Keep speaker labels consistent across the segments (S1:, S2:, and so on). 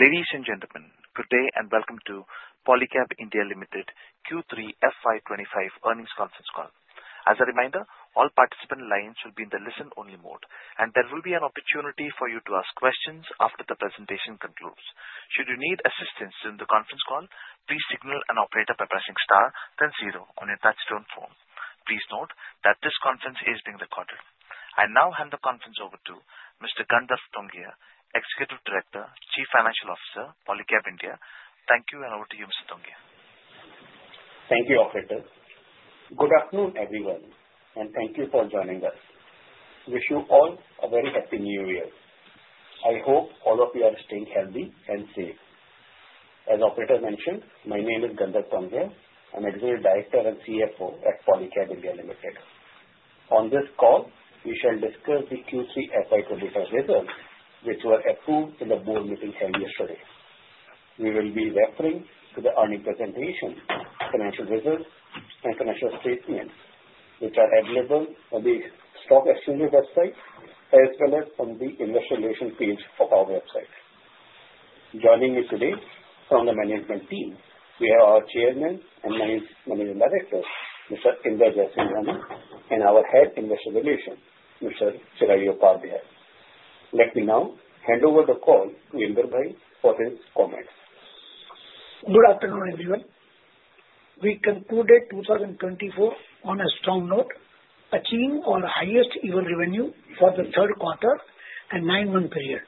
S1: Ladies and gentlemen, good day and welcome to Polycab India Limited Q3 FY25 Earnings Conference Call. As a reminder, all participant lines will be in the listen-only mode, and there will be an opportunity for you to ask questions after the presentation concludes. Should you need assistance during the conference call, please signal an operator by pressing star then zero on your touchtone phone. Please note that this conference is being recorded. I now hand the conference over to Mr. Gandharv Tongia, Executive Director, Chief Financial Officer, Polycab India. Thank you, and over to you, Mr. Tongia.
S2: Thank you, Operator. Good afternoon, everyone, and thank you for joining us. Wish you all a very happy New Year. I hope all of you are staying healthy and safe. As Operator mentioned, my name is Gandharv Tongia. I'm Executive Director and CFO at Polycab India Limited. On this call, we shall discuss the Q3 FY25 results, which were approved in the board meeting held yesterday. We will be referring to the earnings presentation, financial results, and financial statements, which are available on the stock exchange website as well as on the investor relations page of our website. Joining me today from the management team, we have our Chairman and Managing Director, Mr. Inder Jaisinghani, and our Head Investor Relations, Mr. Chirayu Upadhyaya. Let me now hand over the call to Inder Bhai for his comments.
S3: Good afternoon, everyone. We concluded 2024 on a strong note, achieving our highest ever revenue for the third quarter and nine-month period,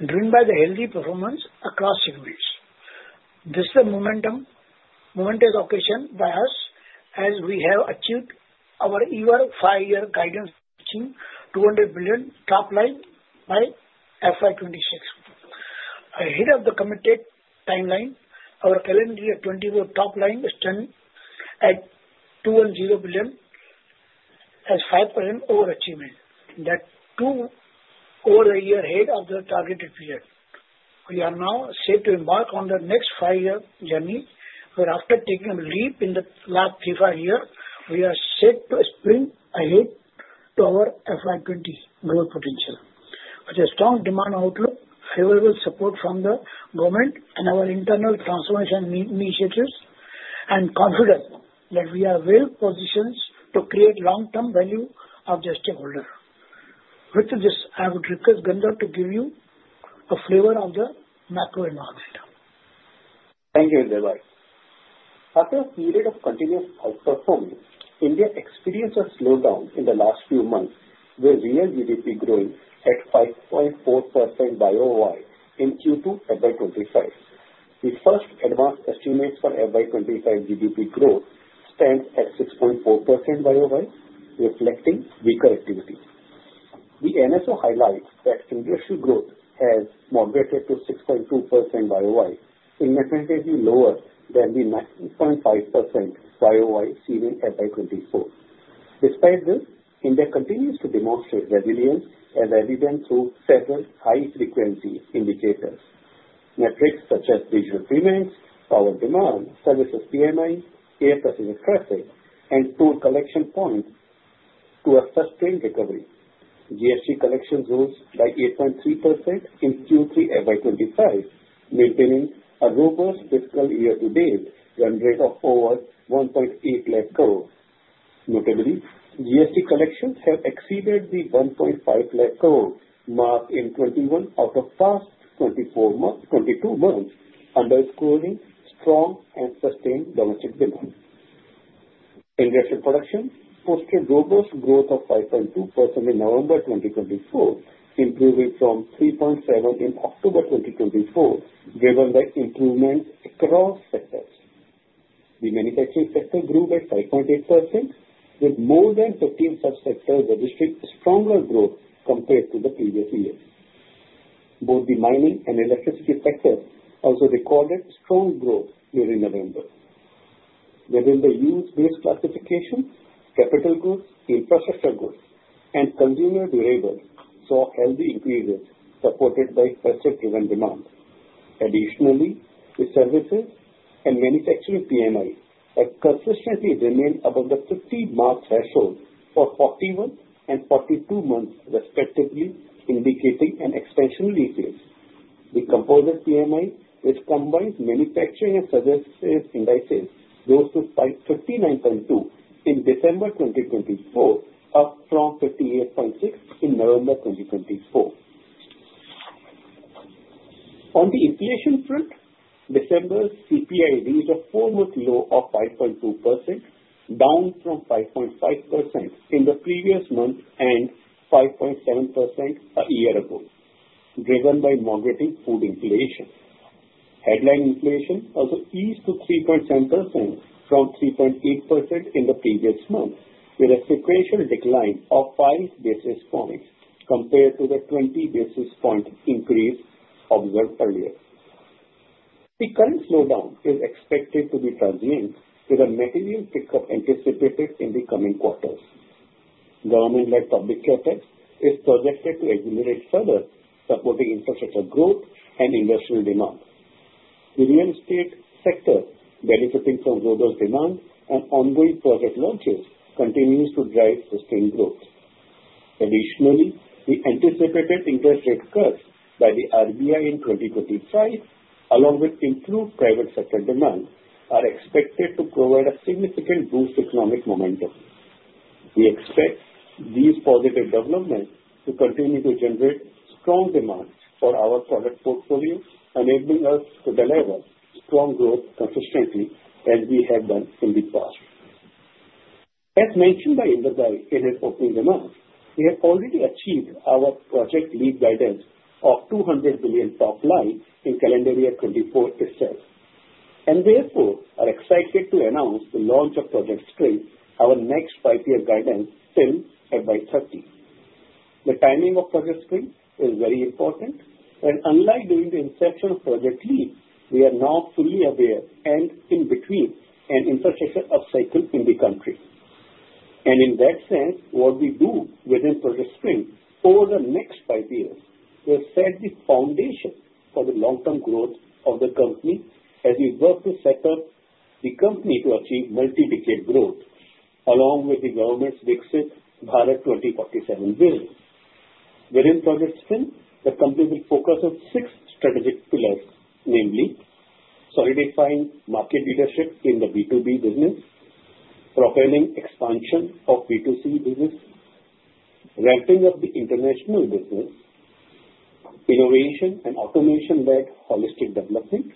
S3: driven by the healthy performance across segments. This momentum is sustained by us as we have achieved our year-over-year guidance, reaching 200 billion top line by FY26. Ahead of the committed timeline, our calendar year 2024 top line stood at INR 210 billion, a 5% overachievement. That's two years ahead of the targeted period. We are now set to embark on the next five-year journey, where, after taking a leap in the last three to five years, we are set to sprint ahead to our FY30 growth potential. With a strong demand outlook, favorable support from the government and our internal transformation initiatives, and confidence that we are well-positioned to create long-term value for the stakeholders. With this, I would request Gandharv to give you a flavor of the macro environment.
S2: Thank you, Inder Bhai. After a period of continuous outperformance, India experienced a slowdown in the last few months, with real GDP growing at 5.4% YoY in Q2 FY25. The first advanced estimates for FY25 GDP growth stand at 6.4% YoY, reflecting weaker activity. The NSO highlights that industrial growth has moderated to 6.2% YoY, significantly lower than the 9.5% YoY seen in FY24. Despite this, India continues to demonstrate resilience, as evident through several high-frequency indicators. Metrics such as regional demands, power demand, services PMI, air passenger traffic, and toll collection points to a sustained recovery. GST collection rose by 8.3% in Q3 FY25, maintaining a robust fiscal year-to-date run rate of over 1.8 lakh crores. Notably, GST collections have exceeded the 1.5 lakh crore mark in 21 out of past 22 months, underscoring strong and sustained domestic demand. Industry production posted robust growth of 5.2% in November 2024, improving from 3.7% in October 2024, driven by improvements across sectors. The manufacturing sector grew by 5.8%, with more than 15 subsectors registering stronger growth compared to the previous year. Both the mining and electricity sectors also recorded strong growth during November. Within the use-based classification, capital goods, infrastructure goods, and consumer durables saw healthy increases, supported by pressure-driven demand. Additionally, the services and manufacturing PMIs have consistently remained above the 50 mark threshold for 41 and 42 mark, respectively, indicating an expansionary phase. The composite PMI, which combines manufacturing and services indices, rose to 59.2 in December 2024, up from 58.6 in November 2024. On the inflation front, December's CPI reached a four-month low of 5.2%, down from 5.5% in the previous month and 5.7% a year ago, driven by moderating food inflation. Headline inflation also eased to 3.7% from 3.8% in the previous month, with a sequential decline of five basis points compared to the 20 basis points increase observed earlier. The current slowdown is expected to be transient, with a material pickup anticipated in the coming quarters. Government-led public CAPEX is projected to accelerate further, supporting infrastructure growth and industrial demand. The real estate sector, benefiting from robust demand and ongoing project launches, continues to drive sustained growth. Additionally, the anticipated interest rate cuts by the RBI in 2025, along with improved private sector demand, are expected to provide a significant boost to economic momentum. We expect these positive developments to continue to generate strong demand for our product portfolio, enabling us to deliver strong growth consistently, as we have done in the past. As mentioned by Inder Bhai in his opening remarks, we have already achieved our Project Leap guidance of 200 billion top line in calendar year 2024 itself, and therefore are excited to announce the launch of Project Spring, our next five-year guidance till FY30. The timing of Project Spring is very important, as unlike during the inception of Project Leap, we are now fully aware and in between an infrastructure upcycle in the country, and in that sense, what we do within Project Spring over the next five years will set the foundation for the long-term growth of the company as we work to set up the company to achieve multi-decade growth, along with the government's Viksit Bharat 2047 vision. Within Project Spring, the company will focus on six strategic pillars, namely: solidifying market leadership in the B2B business, propelling expansion of B2C business, ramping up the international business, innovation and automation-led holistic development,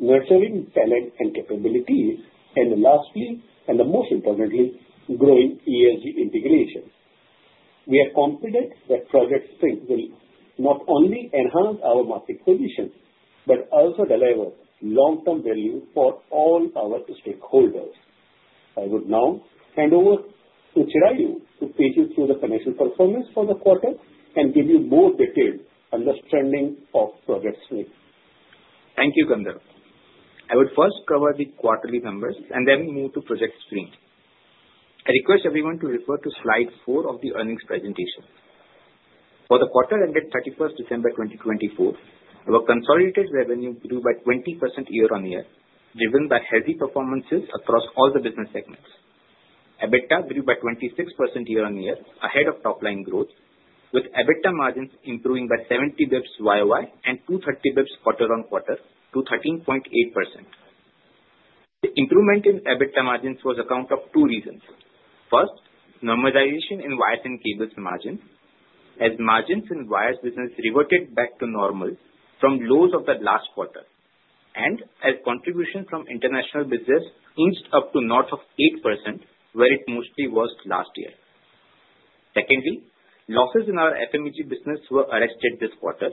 S2: nurturing talent and capabilities, and lastly, and most importantly, growing ESG integration. We are confident that Project Spring will not only enhance our market position but also deliver long-term value for all our stakeholders. I would now hand over to Chirayu to take you through the financial performance for the quarter and give you more detailed understanding of Project Spring.
S4: Thank you, Gandharv. I would first cover the quarterly numbers and then move to Project Spring. I request everyone to refer to slide four of the earnings presentation. For the quarter ended 31st December 2024, our consolidated revenue grew by 20% year-on-year, driven by healthy performances across all the business segments. EBITDA grew by 26% year-on-year, ahead of top-line growth, with EBITDA margins improving by 70 basis points YoY and 230 basis points quarter-on-quarter to 13.8%. The improvement in EBITDA margins was on account of two reasons. First, normalization in wires and cables margins, as margins in wires business reverted back to normal from lows of the last quarter, and as contributions from international business inched up to north of 8%, where it mostly was last year. Secondly, losses in our FMEG business were arrested this quarter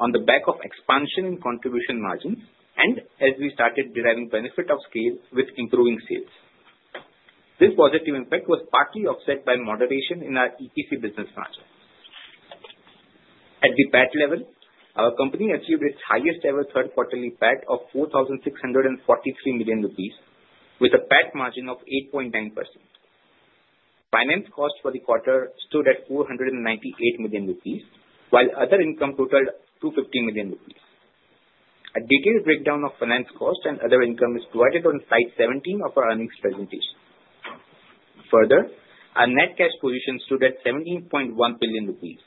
S4: on the back of expansion in contribution margins and as we started deriving benefit of scale with improving sales. This positive impact was partly offset by moderation in our EPC business margin. At the PAT level, our company achieved its highest-ever third-quarterly PAT of 4,643 million rupees, with a PAT margin of 8.9%. Finance cost for the quarter stood at 498 million rupees, while other income totaled 250 million rupees. A detailed breakdown of finance cost and other income is provided on slide 17 of our earnings presentation. Further, our net cash position stood at 17.1 billion rupees.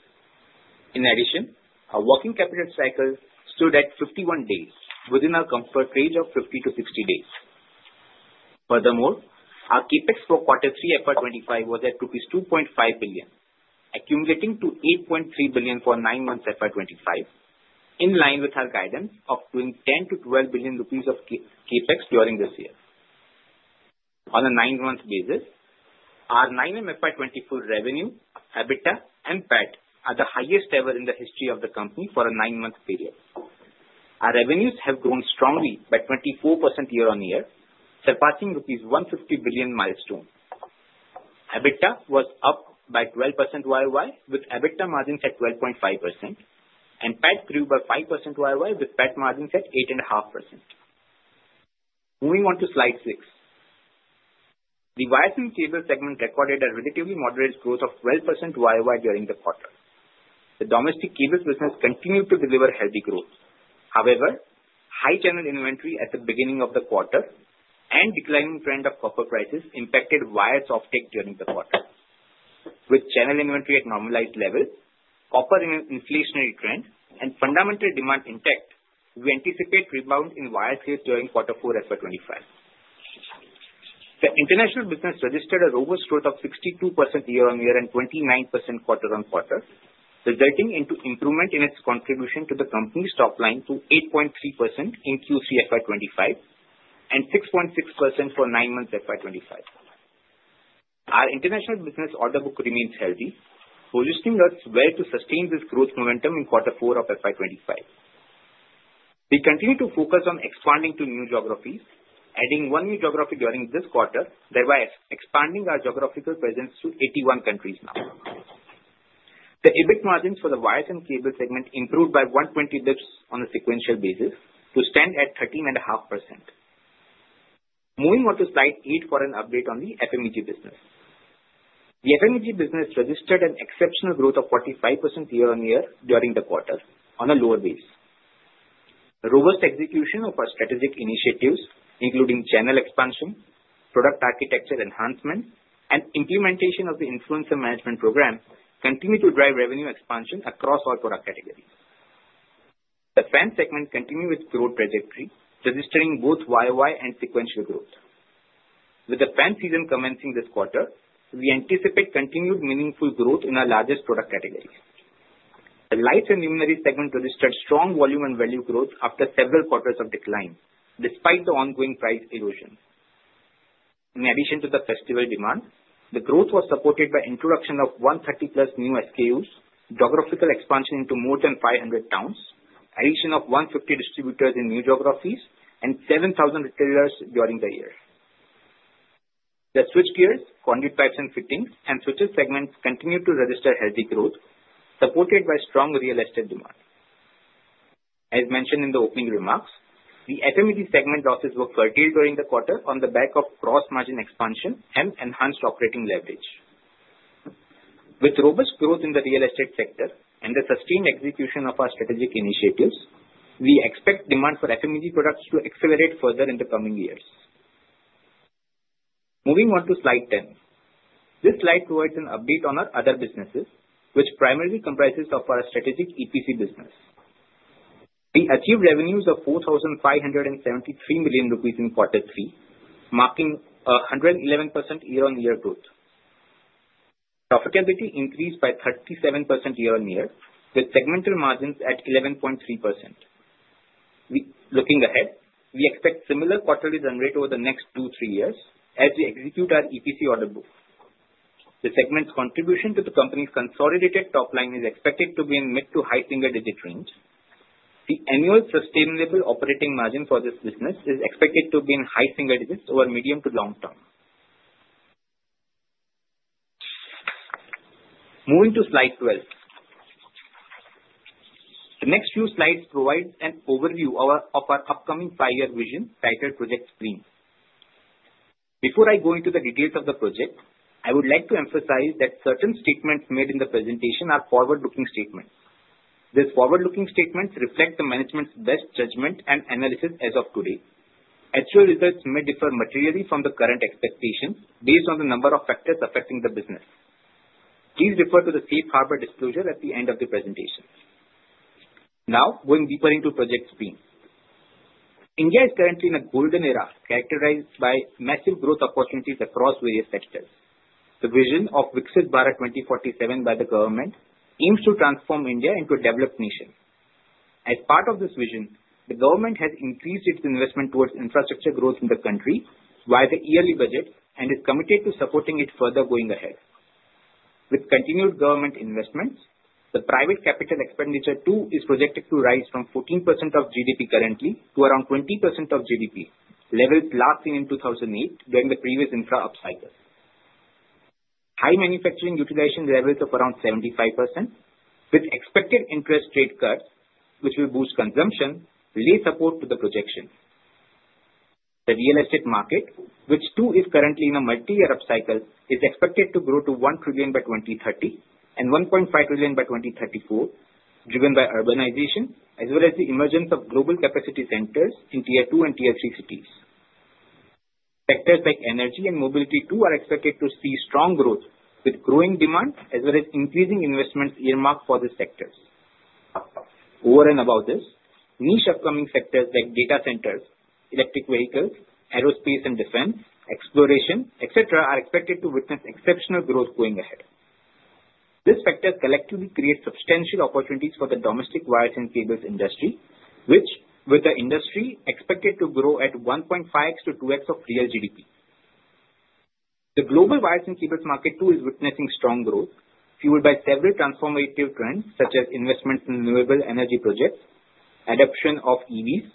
S4: In addition, our working capital cycle stood at 51 days, within our comfort range of 50-60 days. Furthermore, our CapEx for quarter three FY25 was at rupees 2.5 billion, accumulating to 8.3 billion for nine months FY25, in line with our guidance of doing 10-12 billion rupees of CapEx during this year. On a nine-month basis, our nine-month FY24 revenue, EBITDA, and PAT are the highest-ever in the history of the company for a nine-month period. Our revenues have grown strongly by 24% year-on-year, surpassing rupees 150 billion milestone. EBITDA was up by 12% YoY, with EBITDA margins at 12.5%, and PAT grew by 5% YoY, with PAT margins at 8.5%. Moving on to slide six, the wires and cables segment recorded a relatively moderate growth of 12% YoY during the quarter. The domestic cables business continued to deliver healthy growth. However, high channel inventory at the beginning of the quarter and declining trend of copper prices impacted wires offtake during the quarter. With channel inventory at normalized levels, copper in an inflationary trend, and fundamental demand intact, we anticipate rebound in wires sales during quarter four FY25. The international business registered a robust growth of 62% year-on-year and 29% quarter-on-quarter, resulting in improvement in its contribution to the company's top line to 8.3% in Q3 FY25 and 6.6% for nine months FY25. Our international business order book remains healthy, positioning us well to sustain this growth momentum in quarter four of FY25. We continue to focus on expanding to new geographies, adding one new geography during this quarter, thereby expanding our geographical presence to 81 countries now. The EBIT margins for the wires and cables segment improved by 120 basis points on a sequential basis to stand at 13.5%. Moving on to slide eight for an update on the FMEG business. The FMEG business registered an exceptional growth of 45% year-on-year during the quarter on a lower base. Robust execution of our strategic initiatives, including channel expansion, product architecture enhancement, and implementation of the influencer management program, continue to drive revenue expansion across all product categories. The fan segment continued its growth trajectory, registering both YoY and sequential growth. With the fan season commencing this quarter, we anticipate continued meaningful growth in our largest product category. The lights and luminaires segment registered strong volume and value growth after several quarters of decline, despite the ongoing price erosion. In addition to the festival demand, the growth was supported by the introduction of 130-plus new SKUs, geographical expansion into more than 500 towns, addition of 150 distributors in new geographies, and 7,000 retailers during the year. The switchgears, conduit pipes, and fittings and switches segments continued to register healthy growth, supported by strong real estate demand. As mentioned in the opening remarks, the FMEG segment losses were curtailed during the quarter on the back of gross margin expansion and enhanced operating leverage. With robust growth in the real estate sector and the sustained execution of our strategic initiatives, we expect demand for FMEG products to accelerate further in the coming years. Moving on to slide 10, this slide provides an update on our other businesses, which primarily comprises of our strategic EPC business. We achieved revenues of 4,573 million rupees in quarter three, marking a 111% year-on-year growth. Profitability increased by 37% year-on-year, with segmental margins at 11.3%. Looking ahead, we expect similar quarterly run rate over the next two to three years as we execute our EPC order book. The segment's contribution to the company's consolidated top line is expected to be in mid- to high single-digit range. The annual sustainable operating margin for this business is expected to be in high single digits over medium- to long term. Moving to slide 12, the next few slides provide an overview of our upcoming five-year vision titled Project Spring. Before I go into the details of the project, I would like to emphasize that certain statements made in the presentation are forward-looking statements. These forward-looking statements reflect the management's best judgment and analysis as of today. Actual results may differ materially from the current expectations based on the number of factors affecting the business. Please refer to the Safe Harbor disclosure at the end of the presentation. Now, going deeper into Project Spring, India is currently in a golden era characterized by massive growth opportunities across various sectors. The vision of Viksit Bharat 2047 by the government aims to transform India into a developed nation. As part of this vision, the government has increased its investment towards infrastructure growth in the country via the yearly budget and is committed to supporting it further going ahead. With continued government investments, the private capital expenditure too is projected to rise from 14% of GDP currently to around 20% of GDP, levels last seen in 2008 during the previous infra upcycle. High manufacturing utilization levels of around 75%, with expected interest rate cuts, which will boost consumption, lay support to the projection. The real estate market, which too is currently in a multi-year upcycle, is expected to grow to 1 trillion by 2030 and 1.5 trillion by 2034, driven by urbanization as well as the emergence of global capacity centers in Tier II and Tier III cities. Sectors like energy and mobility too are expected to see strong growth, with growing demand as well as increasing investment earmarks for these sectors. Over and above this, niche upcoming sectors like data centers, electric vehicles, aerospace and defense, exploration, etc., are expected to witness exceptional growth going ahead. These factors collectively create substantial opportunities for the domestic wires and cables industry, which, with the industry, is expected to grow at 1.5x to 2x of real GDP. The global wires and cables market too is witnessing strong growth, fueled by several transformative trends such as investments in renewable energy projects, adoption of EVs,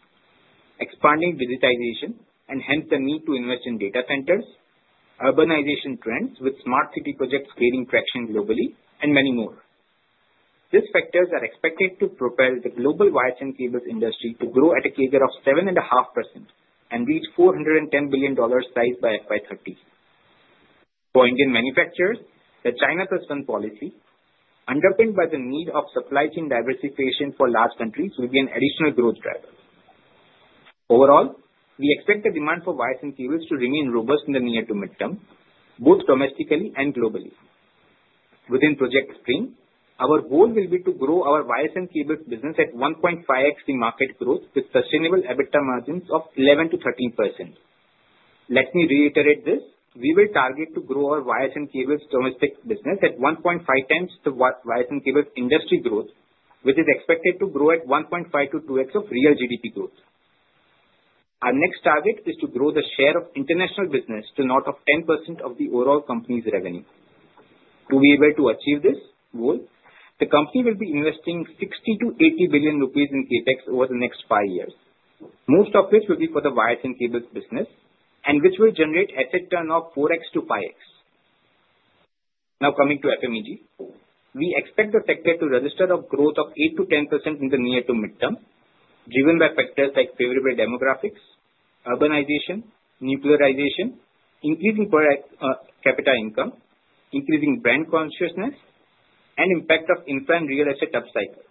S4: expanding digitization, and hence the need to invest in data centers, urbanization trends with smart city projects gaining traction globally, and many more. These factors are expected to propel the global wires and cables industry to grow at a CAGR of 7.5% and reach $410 billion size by FY30. For Indian manufacturers, the China Plus One policy, underpinned by the need of supply chain diversification for large countries, will be an additional growth driver. Overall, we expect the demand for wires and cables to remain robust in the near to medium term, both domestically and globally. Within Project Spring, our goal will be to grow our wires and cables business at 1.5x the market growth, with sustainable EBITDA margins of 11%-13%. Let me reiterate this: we will target to grow our wires and cables domestic business at 1.5 times the wires and cables industry growth, which is expected to grow at 1.5x to 2x of real GDP growth. Our next target is to grow the share of international business to north of 10% of the overall company's revenue. To be able to achieve this goal, the company will be investing 60 billion-80 billion rupees in CapEx over the next five years, most of which will be for the wires and cables business, and which will generate asset turnover of 4x-5x. Now, coming to FMEG, we expect the sector to register a growth of 8%-10% in the near to midterm, driven by factors like favorable demographics, urbanization, nuclearization, increasing per capita income, increasing brand consciousness, and the impact of infra and real estate upcycle.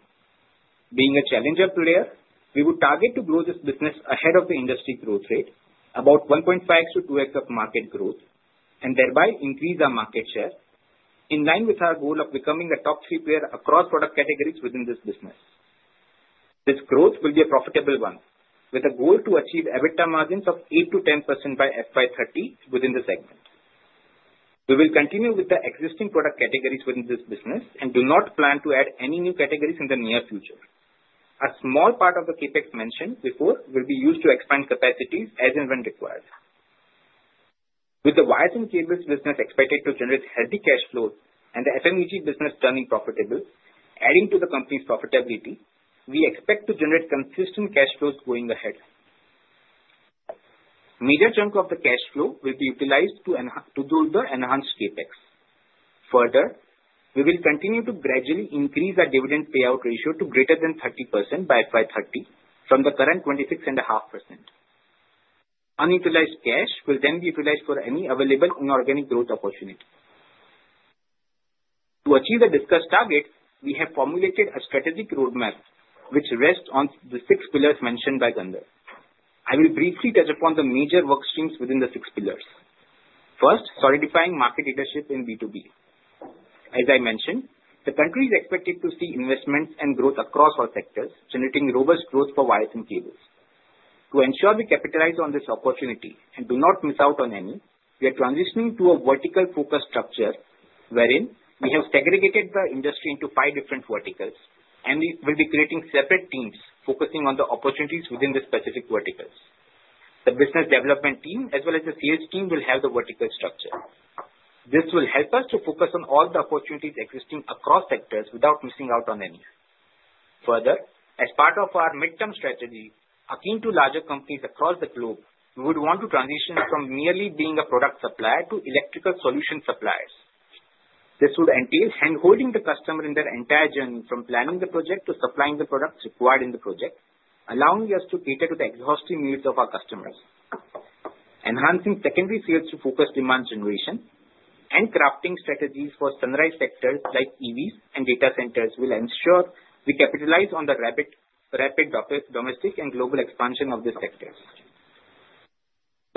S4: Being a challenger player, we would target to grow this business ahead of the industry growth rate, about 1.5x to 2x of market growth, and thereby increase our market share in line with our goal of becoming a top three player across product categories within this business. This growth will be a profitable one, with a goal to achieve EBITDA margins of 8%-10% by FY30 within the segment. We will continue with the existing product categories within this business and do not plan to add any new categories in the near future. A small part of the CAPEX mentioned before will be used to expand capacities as and when required. With the wires and cables business expected to generate healthy cash flows and the FMEG business turning profitable, adding to the company's profitability, we expect to generate consistent cash flows going ahead. A major chunk of the cash flow will be utilized to further enhance CapEx. Further, we will continue to gradually increase our dividend payout ratio to greater than 30% by FY30 from the current 26.5%. Unutilized cash will then be utilized for any available inorganic growth opportunity. To achieve the discussed target, we have formulated a strategic roadmap, which rests on the six pillars mentioned by Gandharv. I will briefly touch upon the major work streams within the six pillars. First, solidifying market leadership in B2B. As I mentioned, the country is expected to see investments and growth across all sectors, generating robust growth for wires and cables. To ensure we capitalize on this opportunity and do not miss out on any, we are transitioning to a vertical-focused structure wherein we have segregated the industry into five different verticals, and we will be creating separate teams focusing on the opportunities within the specific verticals. The business development team, as well as the sales team, will have the vertical structure. This will help us to focus on all the opportunities existing across sectors without missing out on any. Further, as part of our midterm strategy, akin to larger companies across the globe, we would want to transition from merely being a product supplier to electrical solution suppliers. This would entail hand-holding the customer in their entire journey from planning the project to supplying the products required in the project, allowing us to cater to the exhaustive needs of our customers. Enhancing secondary sales to focus demand generation and crafting strategies for sunrise sectors like EVs and data centers will ensure we capitalize on the rapid domestic and global expansion of these sectors.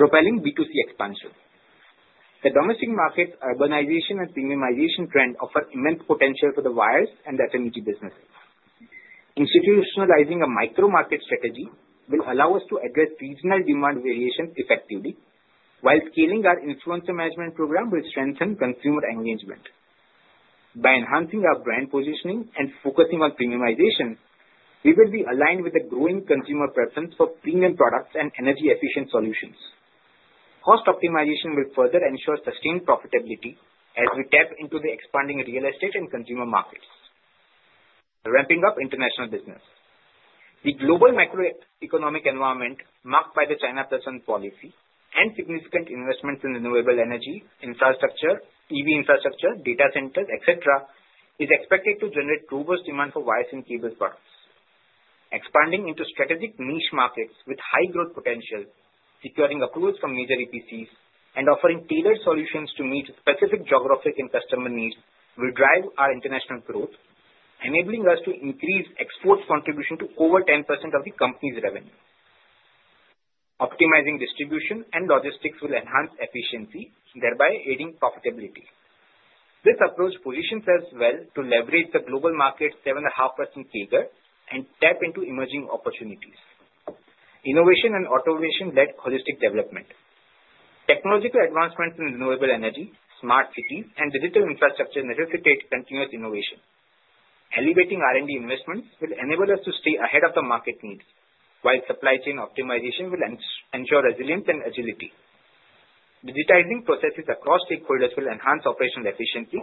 S4: Propelling B2C expansion, the domestic market's urbanization and premiumization trend offers immense potential for the wires and FMEG businesses. Institutionalizing a micro-market strategy will allow us to address regional demand variations effectively, while scaling our influencer management program will strengthen consumer engagement. By enhancing our brand positioning and focusing on premiumization, we will be aligned with the growing consumer preference for premium products and energy-efficient solutions. Cost optimization will further ensure sustained profitability as we tap into the expanding real estate and consumer markets. Ramping up international business, the global macroeconomic environment marked by the China Plus One policy and significant investments in renewable energy, infrastructure, EV infrastructure, data centers, etc., is expected to generate robust demand for wires and cables products. Expanding into strategic niche markets with high growth potential, securing approvals from major EPCs, and offering tailored solutions to meet specific geographic and customer needs will drive our international growth, enabling us to increase export contribution to over 10% of the company's revenue. Optimizing distribution and logistics will enhance efficiency, thereby aiding profitability. This approach positions us well to leverage the global market's 7.5% CAGR and tap into emerging opportunities. Innovation and automation led to holistic development. Technological advancements in renewable energy, smart cities, and digital infrastructure necessitate continuous innovation. Elevating R&D investments will enable us to stay ahead of the market needs, while supply chain optimization will ensure resilience and agility. Digitizing processes across stakeholders will enhance operational efficiency,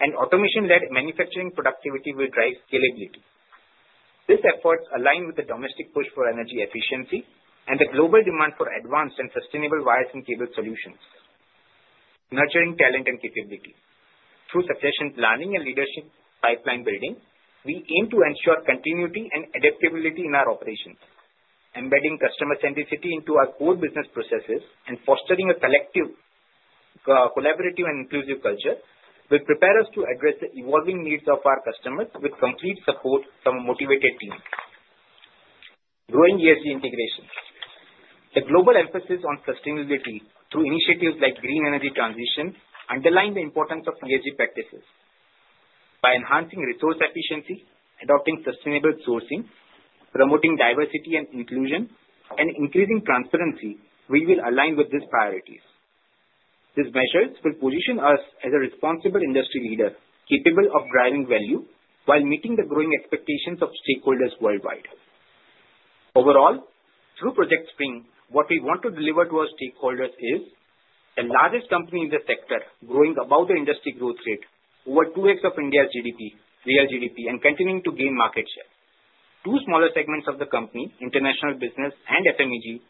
S4: and automation-led manufacturing productivity will drive scalability. These efforts align with the domestic push for energy efficiency and the global demand for advanced and sustainable wires and cable solutions. Nurturing talent and capability. Through succession planning and leadership pipeline building, we aim to ensure continuity and adaptability in our operations. Embedding customer centricity into our core business processes and fostering a collective collaborative and inclusive culture will prepare us to address the evolving needs of our customers with complete support from a motivated team. Growing ESG integration. The global emphasis on sustainability through initiatives like green energy transition underlines the importance of ESG practices. By enhancing resource efficiency, adopting sustainable sourcing, promoting diversity and inclusion, and increasing transparency, we will align with these priorities. These measures will position us as a responsible industry leader capable of driving value while meeting the growing expectations of stakeholders worldwide. Overall, through Project Spring, what we want to deliver to our stakeholders is the largest company in the sector, growing above the industry growth rate, over 2x of India's GDP, real GDP, and continuing to gain market share. Two smaller segments of the company, international business and FMEG,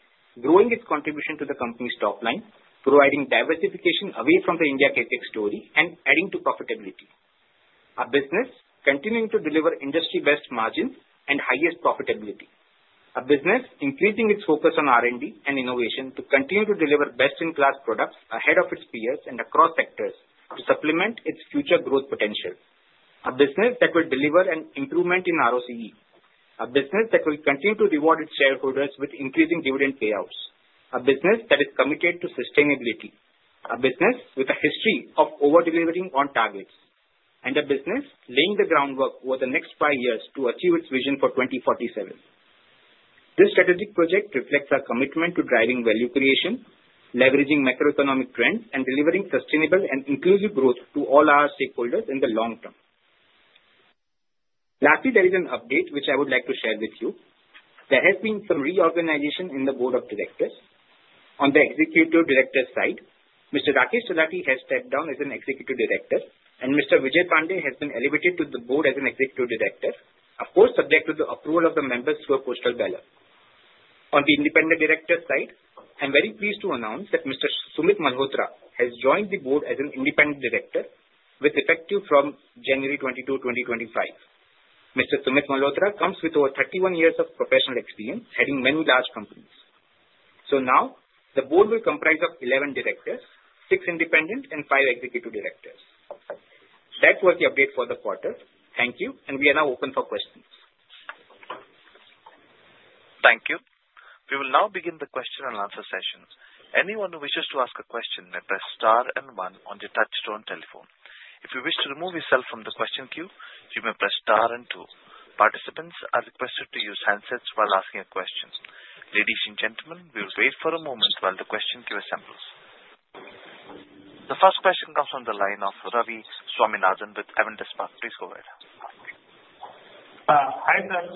S4: growing its contribution to the company's top line, providing diversification away from the India CAPEX story and adding to profitability. A business continuing to deliver industry-best margins and highest profitability. A business increasing its focus on R&D and innovation to continue to deliver best-in-class products ahead of its peers and across sectors to supplement its future growth potential. A business that will deliver an improvement in ROCE. A business that will continue to reward its shareholders with increasing dividend payouts. A business that is committed to sustainability. A business with a history of over-delivering on targets. And a business laying the groundwork over the next five years to achieve its vision for 2047. This strategic project reflects our commitment to driving value creation, leveraging macroeconomic trends, and delivering sustainable and inclusive growth to all our stakeholders in the long term. Lastly, there is an update which I would like to share with you. There has been some reorganization in the board of directors. On the executive director side, Mr. Rakesh Talati has stepped down as an executive director, and Mr. Vijay Pandya has been elevated to the board as an executive director, of course subject to the approval of the members through a postal ballot. On the independent director side, I'm very pleased to announce that Mr. Sumit Malhotra has joined the board as an independent director with effect from January 22, 2025. Mr. Sumit Malhotra comes with over 31 years of professional experience heading many large companies. So now the board will comprise of 11 directors, 6 independent, and 5 executive directors. That was the update for the quarter. Thank you, and we are now open for questions. Thank you. We will now begin the question and answer session. Anyone who wishes to ask a question may press star and one on the touchtone telephone. If you wish to remove yourself from the question queue, you may press star and two. Participants are requested to use handsets while asking a question. Ladies and gentlemen, we will wait for a moment while the question queue assembles. The first question comes from the line of Ravi Swaminathan with Avendus Spark. Please go ahead.
S5: Hi sir,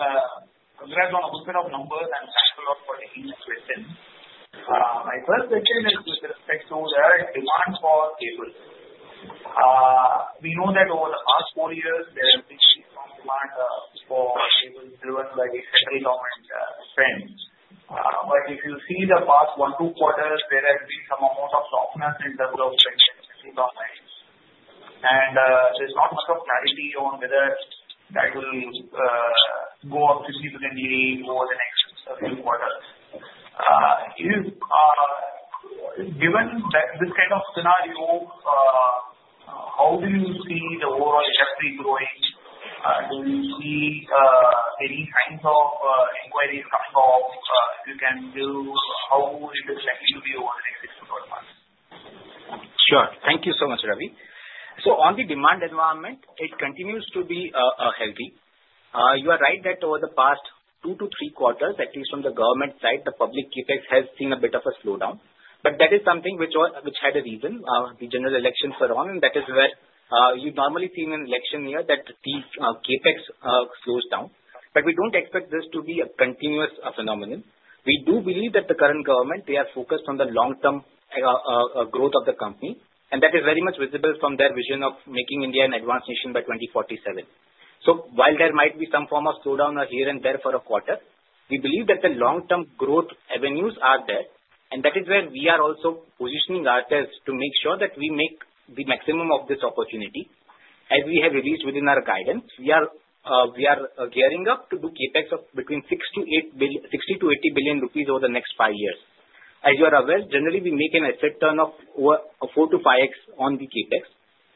S5: congrats on a good set of numbers, and thanks a lot for taking this question. My first question is with respect to the demand for cables. We know that over the past four years, there has been a strong demand for cables driven by the central government spend. But if you see the past one to two quarters, there has been some amount of softness in terms of spending in central government. And there's not much of clarity on whether that will go up significantly over the next few quarters. Given this kind of scenario, how do you see the overall industry growing? Do you see any signs of inquiries coming off? If you can do, how is it likely to be over the next six to twelve months?
S1: Sure. Thank you so much, Ravi. So on the demand environment, it continues to be healthy. You are right that over the past two to three quarters, at least on the government side, the public CAPEX has seen a bit of a slowdown. But that is something which had a reason. The general elections are on, and that is where you normally see in an election year that these CAPEX slows down. But we don't expect this to be a continuous phenomenon. We do believe that the current government, they are focused on the long-term growth of the company, and that is very much visible from their vision of making India an advanced nation by 2047. So while there might be some form of slowdown here and there for a quarter, we believe that the long-term growth avenues are there, and that is where we are also positioning ourselves to make sure that we make the maximum of this opportunity. As we have released within our guidance, we are gearing up to do CapEx of between 60 billion-80 billion rupees over the next five years. As you are aware, generally we make an asset turnover of 4x-5x on the CapEx.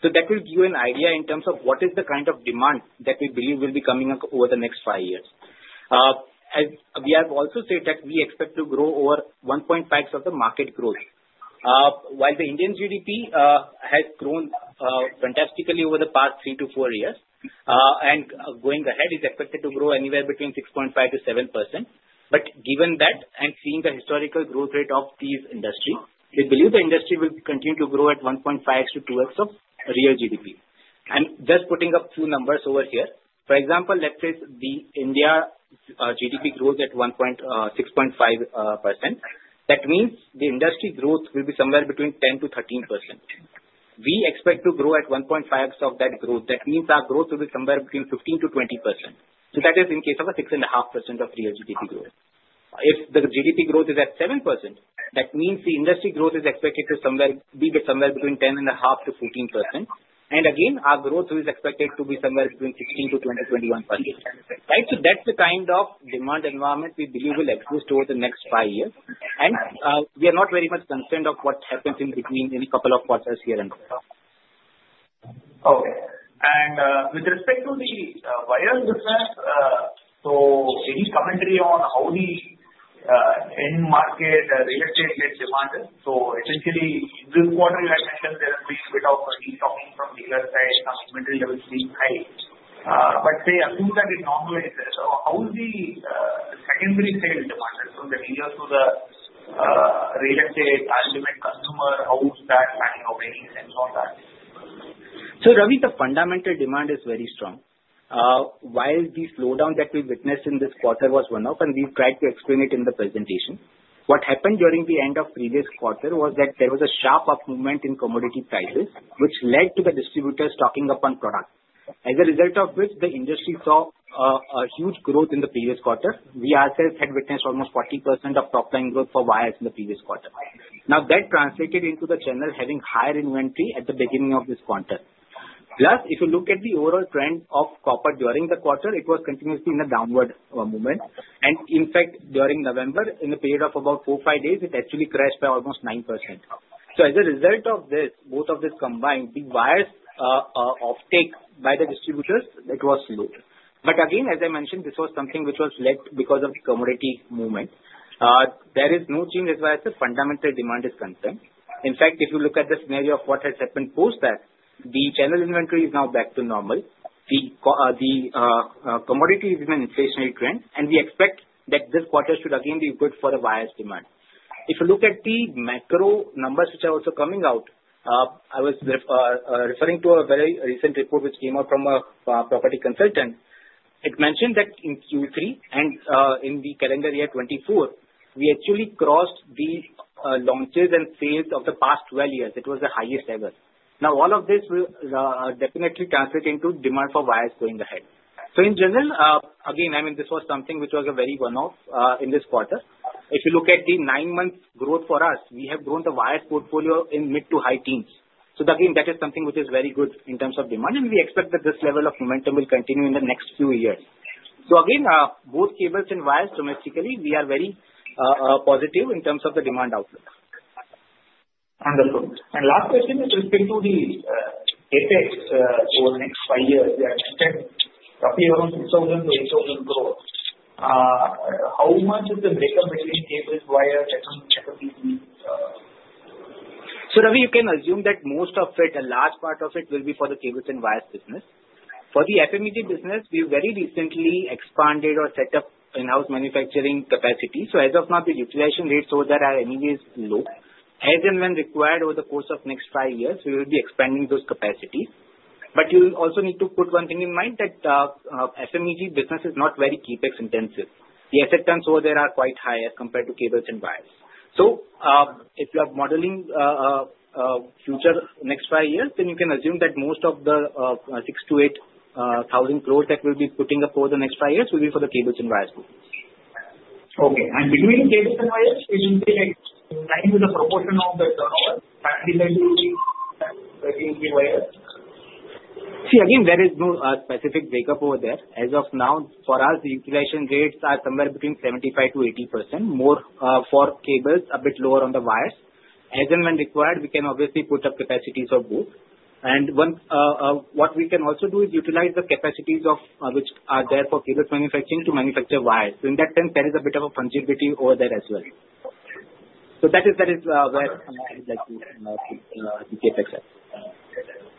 S1: So that will give you an idea in terms of what is the kind of demand that we believe will be coming up over the next five years. We have also said that we expect to grow over 1.5x of the market growth, while the Indian GDP has grown fantastically over the past three to four years, and going ahead, it is expected to grow anywhere between 6.5%-7%. But given that and seeing the historical growth rate of these industries, we believe the industry will continue to grow at 1.5x-2x of real GDP. I'm just putting up two numbers over here. For example, let's say the India GDP grows at 6.5%. That means the industry growth will be somewhere between 10%-13%. We expect to grow at 1.5x of that growth. That means our growth will be somewhere between 15%-20%. So that is in case of a 6.5% of real GDP growth. If the GDP growth is at 7%, that means the industry growth is expected to be somewhere between 10.5%-14%. And again, our growth is expected to be somewhere between 16%-20% to 21%. Right? So that's the kind of demand environment we believe will exist over the next five years. And we are not very much concerned of what happens in between in a couple of quarters here and there.
S5: Okay. And with respect to the wires business, so any commentary on how the end market real estate-led demand is?
S4: So essentially, in this quarter, you had mentioned there has been a bit of a de-stocking from the U.S. side, some inventory levels being high. But say, assume that it normalizes. How is the secondary sales demand from the OEM to the real estate ultimate consumer? How is that planning of raising sales on that? So Ravi, the fundamental demand is very strong. While the slowdown that we witnessed in this quarter was one-off, and we've tried to explain it in the presentation, what happened during the end of the previous quarter was that there was a sharp up movement in commodity prices, which led to the distributors stocking up on products. As a result of which, the industry saw a huge growth in the previous quarter. We ourselves had witnessed almost 40% of top-line growth for wires in the previous quarter. Now, that translated into the channel having higher inventory at the beginning of this quarter. Plus, if you look at the overall trend of copper during the quarter, it was continuously in a downward movement. And in fact, during November, in the period of about four or five days, it actually crashed by almost 9%. So as a result of this, both of this combined, the wires' offtake by the distributors, it was slow. But again, as I mentioned, this was something which was led because of the commodity movement. There is no change as far as the fundamental demand is concerned. In fact, if you look at the scenario of what has happened post that, the channel inventory is now back to normal. The commodity is in an inflationary trend, and we expect that this quarter should again be good for the wires' demand. If you look at the macro numbers which are also coming out, I was referring to a very recent report which came out from a property consultant. It mentioned that in Q3 and in the calendar year 2024, we actually crossed the launches and sales of the past 12 years. It was the highest ever. Now, all of this will definitely translate into demand for wires going ahead. So in general, again, I mean, this was something which was a very one-off in this quarter. If you look at the nine-month growth for us, we have grown the wires' portfolio in mid to high teens. So again, that is something which is very good in terms of demand, and we expect that this level of momentum will continue in the next few years. So again, both cables and wires domestically, we are very positive in terms of the demand outlook.
S5: Wonderful. And last question with respect to the CapEx over the next five years. You had mentioned roughly around INR 6,000- \INR 8,000 crores. How much is the makeup between cables, wires, FMEG?
S4: So Ravi, you can assume that most of it, a large part of it, will be for the cables and wires business. For the FMEG business, we have very recently expanded or set up in-house manufacturing capacity. So as of now, the utilization rates over there are anyways low. As and when required over the course of the next five years, we will be expanding those capacities. But you also need to put one thing in mind that FMEG business is not very CapEx intensive. The asset turns over there are quite high as compared to cables and wires. So if you are modeling future next five years, then you can assume that most of the 6,000-8,000 crores that we'll be putting up over the next five years will be for the cables and wires business. Okay. And between the cables and wires, it will be like 9%-10% of the total factory-led utility wires? See, again, there is no specific makeup over there. As of now, for us, the utilization rates are somewhere between 75%-80%, more for cables, a bit lower on the wires. As and when required, we can obviously put up capacities of both. And what we can also do is utilize the capacities which are there for cables manufacturing to manufacture wires. So in that sense, there is a bit of a fungibility over there as well. So that is where I would like to put the CAPEX at.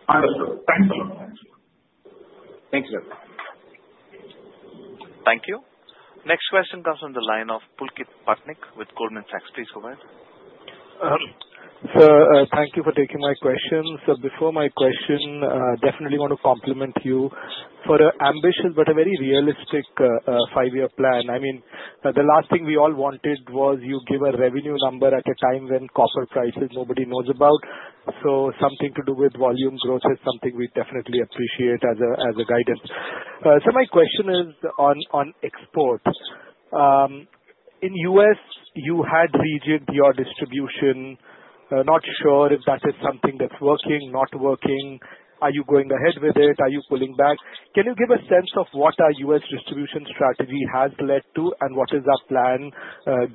S5: Wonderful. Thanks a lot. Thanks.
S4: Thank you.
S1: Thank you. Next question comes from the line of Pulkit Patni with Goldman Sachs. Please go ahead.
S6: Sir, thank you for taking my question. So before my question, definitely want to compliment you for an ambitious but a very realistic five-year plan. I mean, the last thing we all wanted was you give a revenue number at a time when copper prices nobody knows about. So something to do with volume growth is something we definitely appreciate as a guidance. So my question is on export. In the U.S., you had rejigged your distribution. Not sure if that is something that's working, not working. Are you going ahead with it? Are you pulling back? Can you give a sense of what our U.S. distribution strategy has led to and what is our plan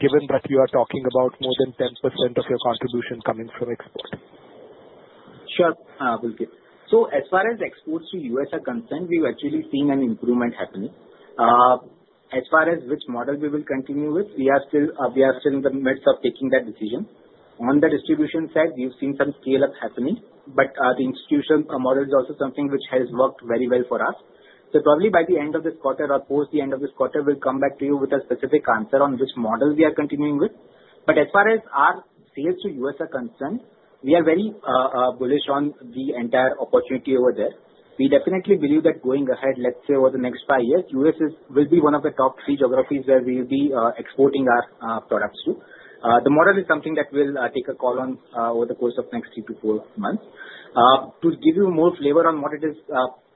S6: given that you are talking about more than 10% of your contribution coming from export?
S4: Sure. So as far as exports to the U.S. are concerned, we've actually seen an improvement happening. As far as which model we will continue with, we are still in the midst of taking that decision. On the distribution side, we've seen some scale-up happening, but the institutional model is also something which has worked very well for us. So probably by the end of this quarter or post the end of this quarter, we'll come back to you with a specific answer on which model we are continuing with. But as far as our sales to the U.S. are concerned, we are very bullish on the entire opportunity over there. We definitely believe that going ahead, let's say over the next five years, the U.S. will be one of the top three geographies where we will be exporting our products to. The model is something that we'll take a call on over the course of the next three to four months. To give you more flavor on what it is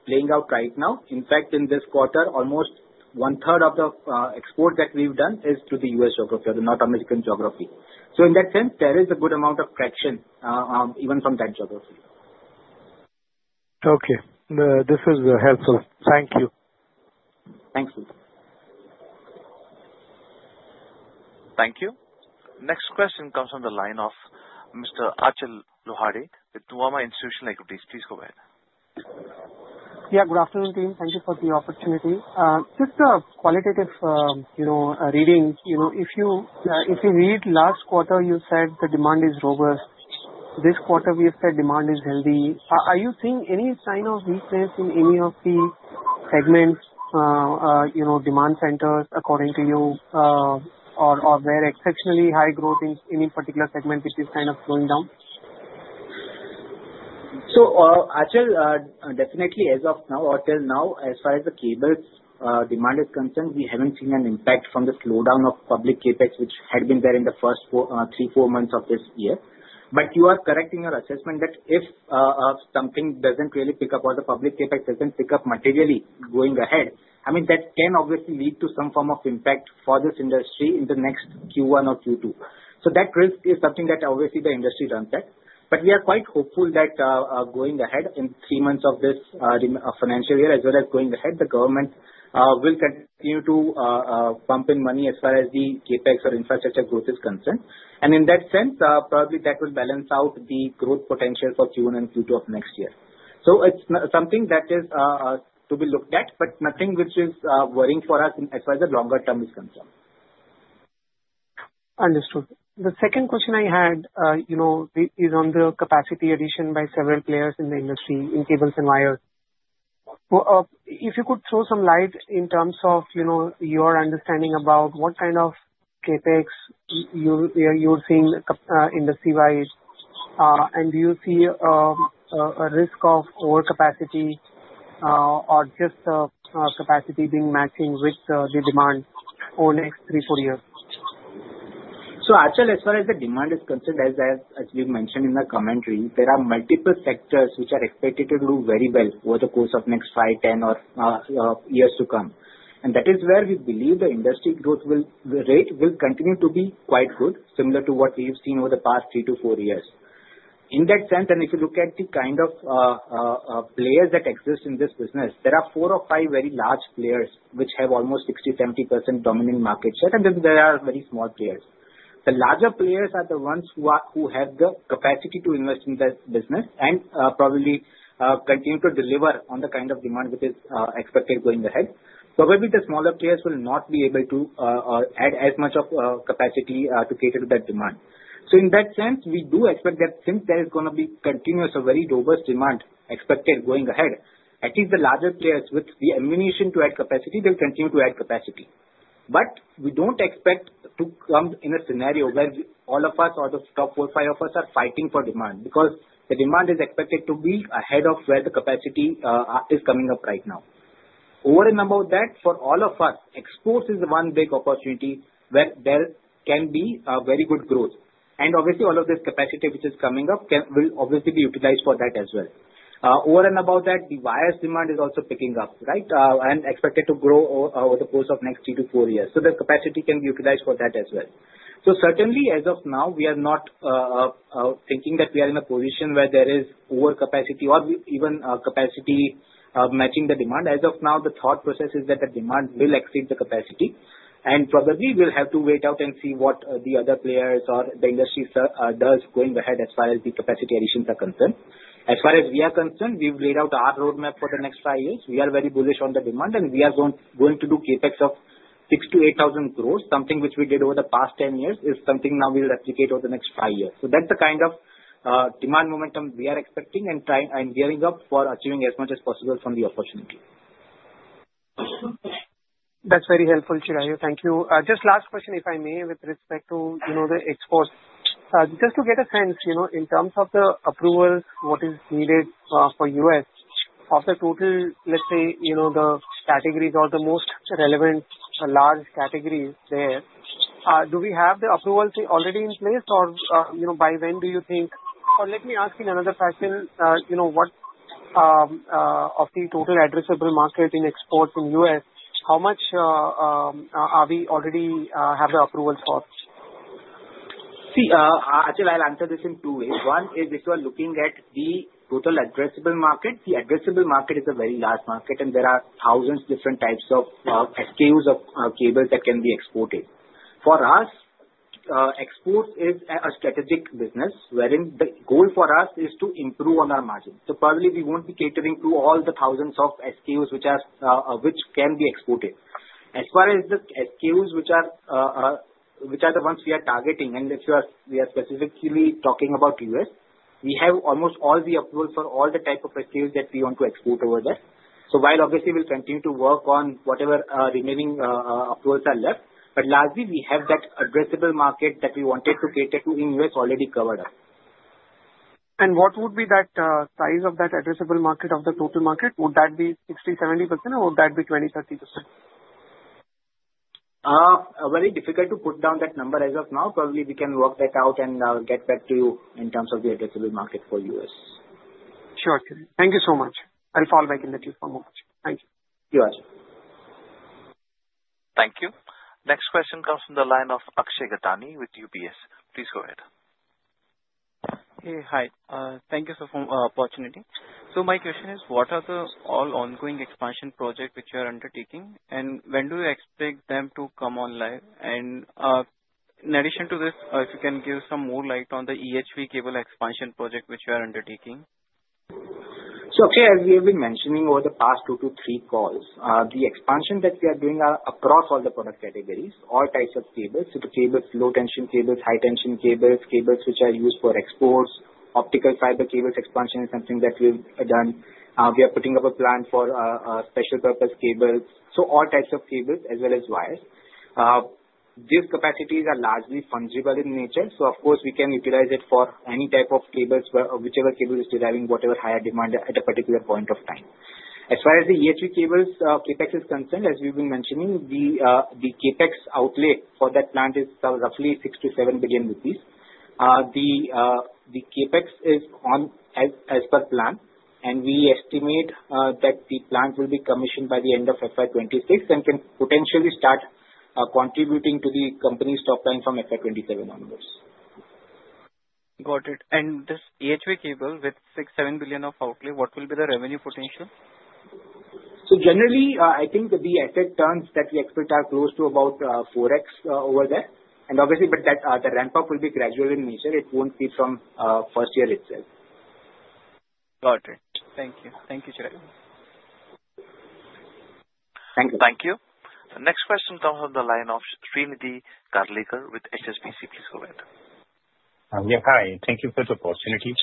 S4: playing out right now, in fact, in this quarter, almost one-third of the export that we've done is to the U.S. geography, North American geography. So in that sense, there is a good amount of traction even from that geography.
S6: Okay. This was helpful. Thank you.
S4: Thanks, sir.
S1: Thank you. Next question comes from the line of Mr. Achal Lohade with Nuvama Institutional Equities. Please go ahead.
S7: Yeah. Good afternoon, team. Thank you for the opportunity. Just a qualitative reading. If you read last quarter, you said the demand is robust. This quarter, we have said demand is healthy. Are you seeing any sign of weakness in any of the segments, demand centers, according to you, or were exceptionally high growth in any particular segment which is kind of slowing down?
S4: So Achal, definitely as of now, or till now, as far as the cables demand is concerned, we haven't seen an impact from the slowdown of public CAPEX, which had been there in the first three, four months of this year. But you are correct in your assessment that if something doesn't really pick up or the public CAPEX doesn't pick up materially going ahead, I mean, that can obviously lead to some form of impact for this industry in the next Q1 or Q2. So that risk is something that obviously the industry doesn't have. But we are quite hopeful that going ahead in three months of this financial year, as well as going ahead, the government will continue to pump in money as far as the CapEx or infrastructure growth is concerned. And in that sense, probably that will balance out the growth potential for Q1 and Q2 of next year. So it's something that is to be looked at, but nothing which is worrying for us as far as the longer term is concerned.
S7: Understood. The second question I had is on the capacity addition by several players in the industry, in cables and wires. If you could throw some light in terms of your understanding about what kind of CapEx you're seeing industry-wise, and do you see a risk of overcapacity or just capacity being matching with the demand over the next three, four years?
S4: Achal, as far as the demand is concerned, as we've mentioned in the commentary, there are multiple sectors which are expected to do very well over the course of the next 5, 10, or years to come. That is where we believe the industry growth rate will continue to be quite good, similar to what we've seen over the past three to four years. In that sense, and if you look at the kind of players that exist in this business, there are four or five very large players which have almost 60%-70% dominant market share, and then there are very small players. The larger players are the ones who have the capacity to invest in the business and probably continue to deliver on the kind of demand which is expected going ahead. Probably the smaller players will not be able to add as much capacity to cater to that demand. So in that sense, we do expect that since there is going to be continuous or very robust demand expected going ahead, at least the larger players with the ammunition to add capacity, they'll continue to add capacity. But we don't expect to come in a scenario where all of us, out of the top four or five of us, are fighting for demand because the demand is expected to be ahead of where the capacity is coming up right now. Over and above that, for all of us, exports is one big opportunity where there can be very good growth. And obviously, all of this capacity which is coming up will obviously be utilized for that as well. Over and above that, the wires demand is also picking up, right, and expected to grow over the course of the next three to four years. So the capacity can be utilized for that as well. So certainly, as of now, we are not thinking that we are in a position where there is overcapacity or even capacity matching the demand. As of now, the thought process is that the demand will exceed the capacity. And probably we'll have to wait out and see what the other players or the industry does going ahead as far as the capacity additions are concerned. As far as we are concerned, we've laid out our roadmap for the next five years. We are very bullish on the demand, and we are going to do CapEx of 6,000-8,000 crores, something which we did over the past 10 years, is something now we'll replicate over the next five years. So that's the kind of demand momentum we are expecting and gearing up for achieving as much as possible from the opportunity.
S7: That's very helpful, Chirayu. Thank you. Just last question, if I may, with respect to the exports. Just to get a sense, in terms of the approvals, what is needed for the U.S., of the total, let's say, the categories or the most relevant large categories there, do we have the approvals already in place, or by when do you think? Or let me ask in another fashion, what of the total addressable market in exports in the U.S., how much are we already have the approvals for?
S4: See, Achal, I'll answer this in two ways. One is if you are looking at the total addressable market, the addressable market is a very large market, and there are thousands of different types of SKUs of cables that can be exported. For us, exports is a strategic business wherein the goal for us is to improve on our margin. So probably we won't be catering to all the thousands of SKUs which can be exported. As far as the SKUs which are the ones we are targeting, and if we are specifically talking about the U.S., we have almost all the approvals for all the types of SKUs that we want to export over there. So while obviously we'll continue to work on whatever remaining approvals are left, but largely, we have that addressable market that we wanted to cater to in the U.S. already covered up.
S7: And what would be that size of that addressable market of the total market? Would that be 60%, 70%, or would that be 20%, 30%?
S4: Very difficult to put down that number as of now. Probably we can work that out and get back to you in terms of the addressable market for the U.S. S
S7: ure. Thank you so much. I'll call back in a few moments. Thank you.
S4: You as well.
S1: Thank you. Next question comes from the line of Akshay Gattani with UBS. Please go ahead.
S8: Hey, hi. Thank you for the opportunity. So my question is, what are the all-ongoing expansion projects which you are undertaking, and when do you expect them to come online? And in addition to this, if you can give some more light on the EHV cable expansion project which you are undertaking.
S4: So actually, as we have been mentioning over the past two to three calls, the expansion that we are doing across all the product categories, all types of cables, so the cables, low-tension cables, high-tension cables, cables which are used for exports, optical fiber cables expansion is something that we've done. We are putting up a plan for special-purpose cables. So all types of cables as well as wires. These capacities are largely fungible in nature, so of course, we can utilize it for any type of cables, whichever cable is deriving whatever higher demand at a particular point of time. As far as the EHV cables, CapEx is concerned, as we've been mentioning, the CapEx outlay for that plant is roughly 6-7 billion rupees. The CAPEX is on as per plan, and we estimate that the plant will be commissioned by the end of FY26 and can potentially start contributing to the company's top line from FY27 onwards. Got it. And this EHV cable with 6-7 billion of outlay, what will be the revenue potential? So generally, I think the asset terms that we expect are close to about 4x over there. And obviously, but the ramp-up will be gradual in nature. It won't be from the first year itself.
S8: Got it. Thank you. Thank you, Chirayu. Thank you.
S1: Thank you. The next question comes from the line of Shrinidhi Karlekar with HSBC. Please go ahead. Yeah. Hi. Thank you for the opportunity.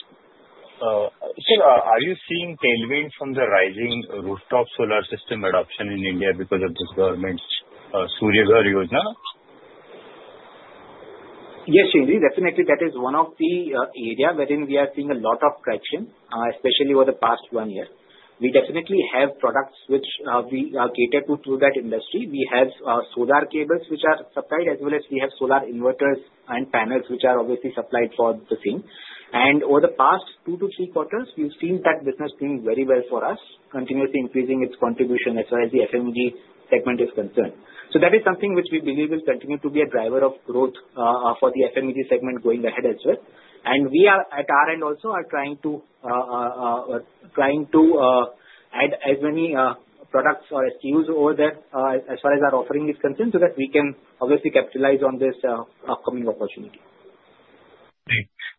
S1: Sir, are you seeing tailwind from the rising rooftop solar system adoption in India because of this government's Surya Ghar Yojana?
S4: Yes, Sgrinidhi. Definitely, that is one of the areas wherein we are seeing a lot of traction, especially over the past one year. We definitely have products which we are catering to through that industry. We have solar cables which are supplied, as well as we have solar inverters and panels which are obviously supplied for the same. And over the past two to three quarters, we've seen that business doing very well for us, continuously increasing its contribution as far as the FMEG segment is concerned, so that is something which we believe will continue to be a driver of growth for the FMEG segment going ahead as well, and we at our end also are trying to add as many products or SKUs over there as far as our offering is concerned so that we can obviously capitalize on this upcoming opportunity.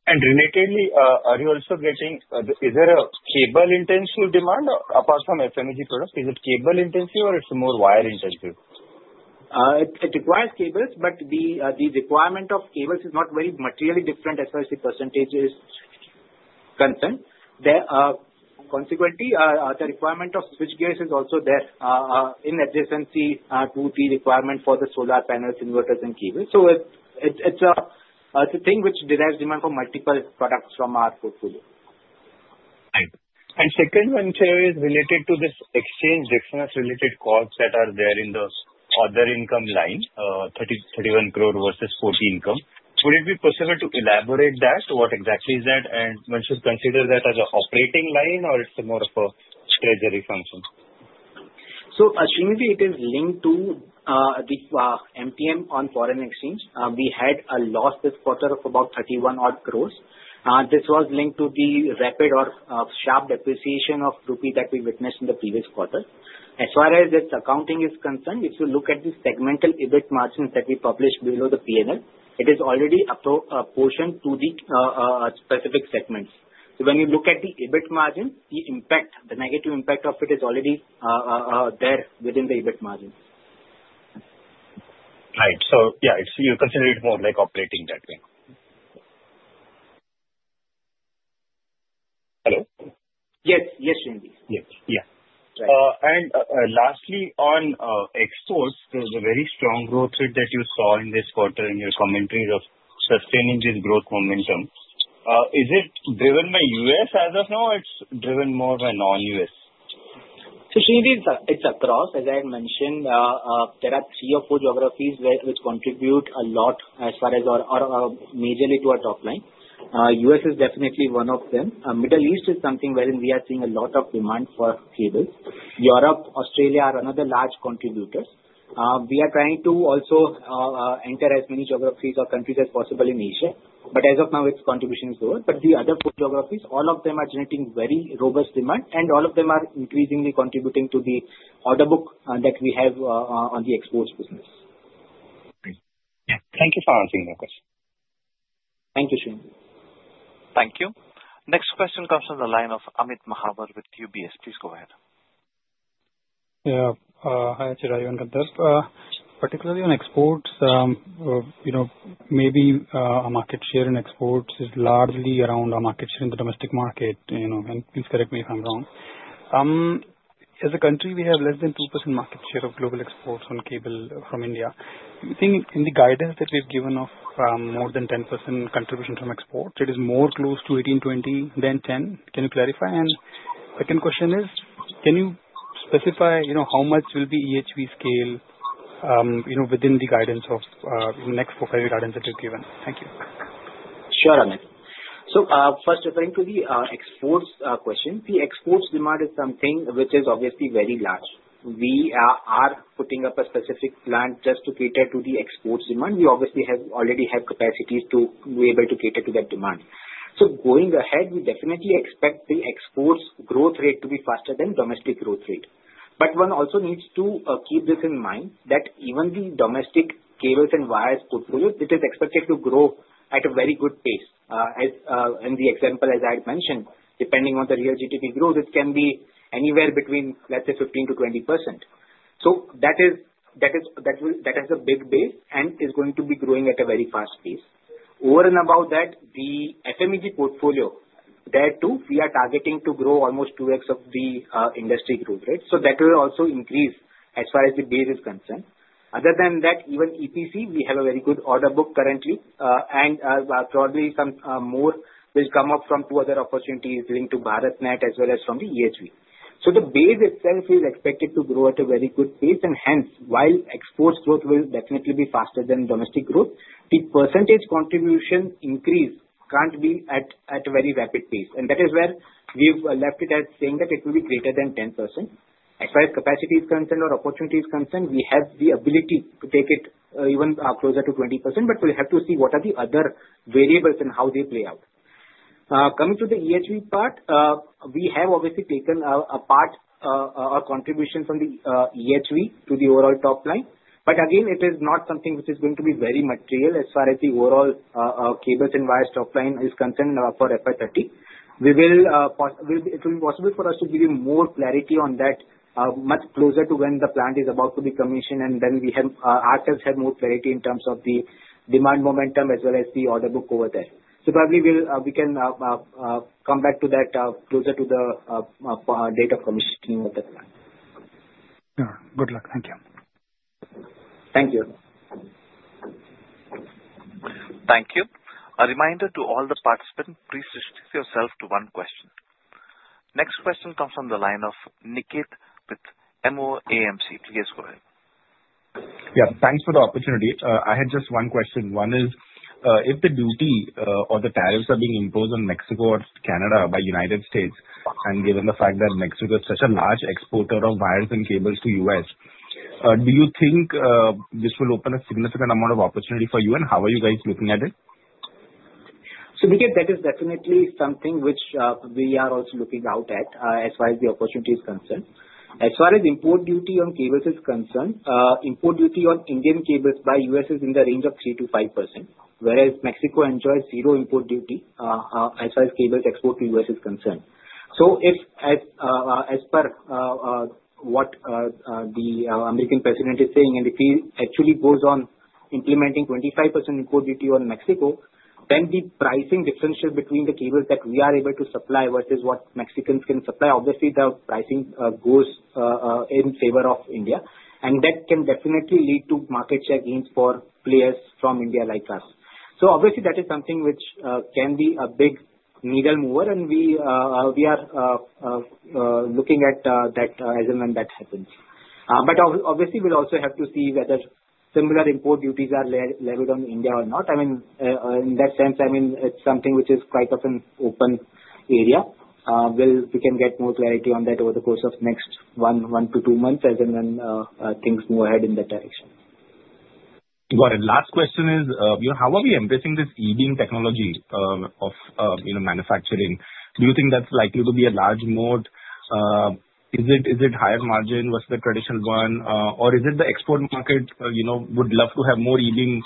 S9: Relatedly, are you also getting? Is there a cable-intensive demand apart from FMEG products? Is it cable-intensive or it's more wire-intensive?
S4: It requires cables, but the requirement of cables is not very materially different as far as the percentage is concerned. Consequently, the requirement of switchgears is also there in adjacency to the requirement for the solar panels, inverters, and cables. So it's a thing which derives demand from multiple products from our portfolio.
S9: Right. Second one, Chirayu, is related to this exchange-related costs that are there in the other income line, 31 crore versus 40 income. Would it be possible to elaborate that? What exactly is that? And one should consider that as an operating line, or it's more of a treasury function?
S4: So Shrinidhi, it is linked to the MTM on foreign exchange. We had a loss this quarter of about 31 odd crores. This was linked to the rapid or sharp depreciation of rupees that we witnessed in the previous quarter. As far as its accounting is concerned, if you look at the segmental EBIT margins that we published below the P&L, it is already apportioned to the specific segments. So when you look at the EBIT margin, the impact, the negative impact of it is already there within the EBIT margin.
S9: Right. So yeah, you consider it more like operating that way. Hello?
S4: Yes. Yes, Shrinidhi. Yes. Yeah.
S9: And lastly, on exports, there's a very strong growth rate that you saw in this quarter in your commentary of sustaining this growth momentum. Is it driven by US as of now, or it's driven more by non-US?
S4: So Shrinidhi, it's across, as I had mentioned. There are three or four geographies which contribute a lot as far as or majorly to our top line. U.S. is definitely one of them. Middle East is something wherein we are seeing a lot of demand for cables. Europe, Australia are another large contributors. We are trying to also enter as many geographies or countries as possible in Asia, but as of now, its contribution is lower. But the other four geographies, all of them are generating very robust demand, and all of them are increasingly contributing to the order book that we have on the exports business.
S9: Yeah. Thank you for answering that question.
S4: Thank you, Shrinidhi.
S1: Thank you. Next question comes from the line of Amit Mahawar with UBS. Please go ahead.
S10: Yeah. Hi, Chirayu and Gandharv. Particularly on exports, maybe our market share in exports is largely around our market share in the domestic market. Please correct me if I'm wrong. As a country, we have less than 2% market share of global exports on cable from India. Do you think in the guidance that we've given of more than 10% contribution from exports, it is more close to 18-20 than 10? Can you clarify? And second question is, can you specify how much will be EHV sales within the guidance of the next four or five guidance that you've given? Thank you.
S4: Sure. So first, referring to the exports question, the exports demand is something which is obviously very large. We are putting up a specific plan just to cater to the exports demand. We obviously already have capacity to be able to cater to that demand. So going ahead, we definitely expect the exports growth rate to be faster than domestic growth rate. But one also needs to keep this in mind that even the domestic cables and wires portfolio, it is expected to grow at a very good pace. For example, as I had mentioned, depending on the real GDP growth, it can be anywhere between, let's say, 15%-20%. So that has a big base and is going to be growing at a very fast pace. Over and above that, the FMEG portfolio, there too, we are targeting to grow almost 2x of the industry growth rate. So that will also increase as far as the base is concerned. Other than that, even EPC, we have a very good order book currently, and probably some more will come up from two other opportunities linked to BharatNet as well as from the EHV. The base itself is expected to grow at a very good pace, and hence, while exports growth will definitely be faster than domestic growth, the percentage contribution increase can't be at a very rapid pace. That is where we've left it at saying that it will be greater than 10%. As far as capacity is concerned or opportunity is concerned, we have the ability to take it even closer to 20%, but we'll have to see what are the other variables and how they play out. Coming to the EHV part, we have obviously taken a part or contribution from the EHV to the overall top line. But again, it is not something which is going to be very material as far as the overall cables and wires top line is concerned for FY30. It will be possible for us to give you more clarity on that much closer to when the plant is about to be commissioned, and then we ourselves have more clarity in terms of the demand momentum as well as the order book over there. So probably we can come back to that closer to the date of commissioning of the plant.
S10: Sure. Good luck. Thank you.
S4: Thank you.
S1: Thank you. A reminder to all the participants, please restrict yourself to one question. Next question comes from the line of Niket with MOAMC. Please go ahead.
S11: Yeah. Thanks for the opportunity. I had just one question. One is, if the duty or the tariffs are being imposed on Mexico or Canada by the United States, and given the fact that Mexico is such a large exporter of wires and cables to the US, do you think this will open a significant amount of opportunity for you, and how are you guys looking at it?
S4: So Niket, that is definitely something which we are also looking out at as far as the opportunity is concerned. As far as import duty on cables is concerned, import duty on Indian cables by the US is in the range of 3%-5%, whereas Mexico enjoys zero import duty as far as cables export to the US is concerned. So as per what the American president is saying, and if he actually goes on implementing 25% import duty on Mexico, then the pricing differentiates between the cables that we are able to supply versus what Mexicans can supply. Obviously, the pricing goes in favor of India, and that can definitely lead to market share gains for players from India like us. So obviously, that is something which can be a big needle mover, and we are looking at that as and when that happens. But obviously, we'll also have to see whether similar import duties are levied on India or not. I mean, in that sense, I mean, it's something which is quite of an open area. We can get more clarity on that over the course of the next one to two months as and when things move ahead in that direction.
S11: Got it. Last question is, how are we embracing this E-Beam technology of manufacturing? Do you think that's likely to be a large mode? Is it higher margin versus the traditional one? Or is it the export market would love to have more E-Beam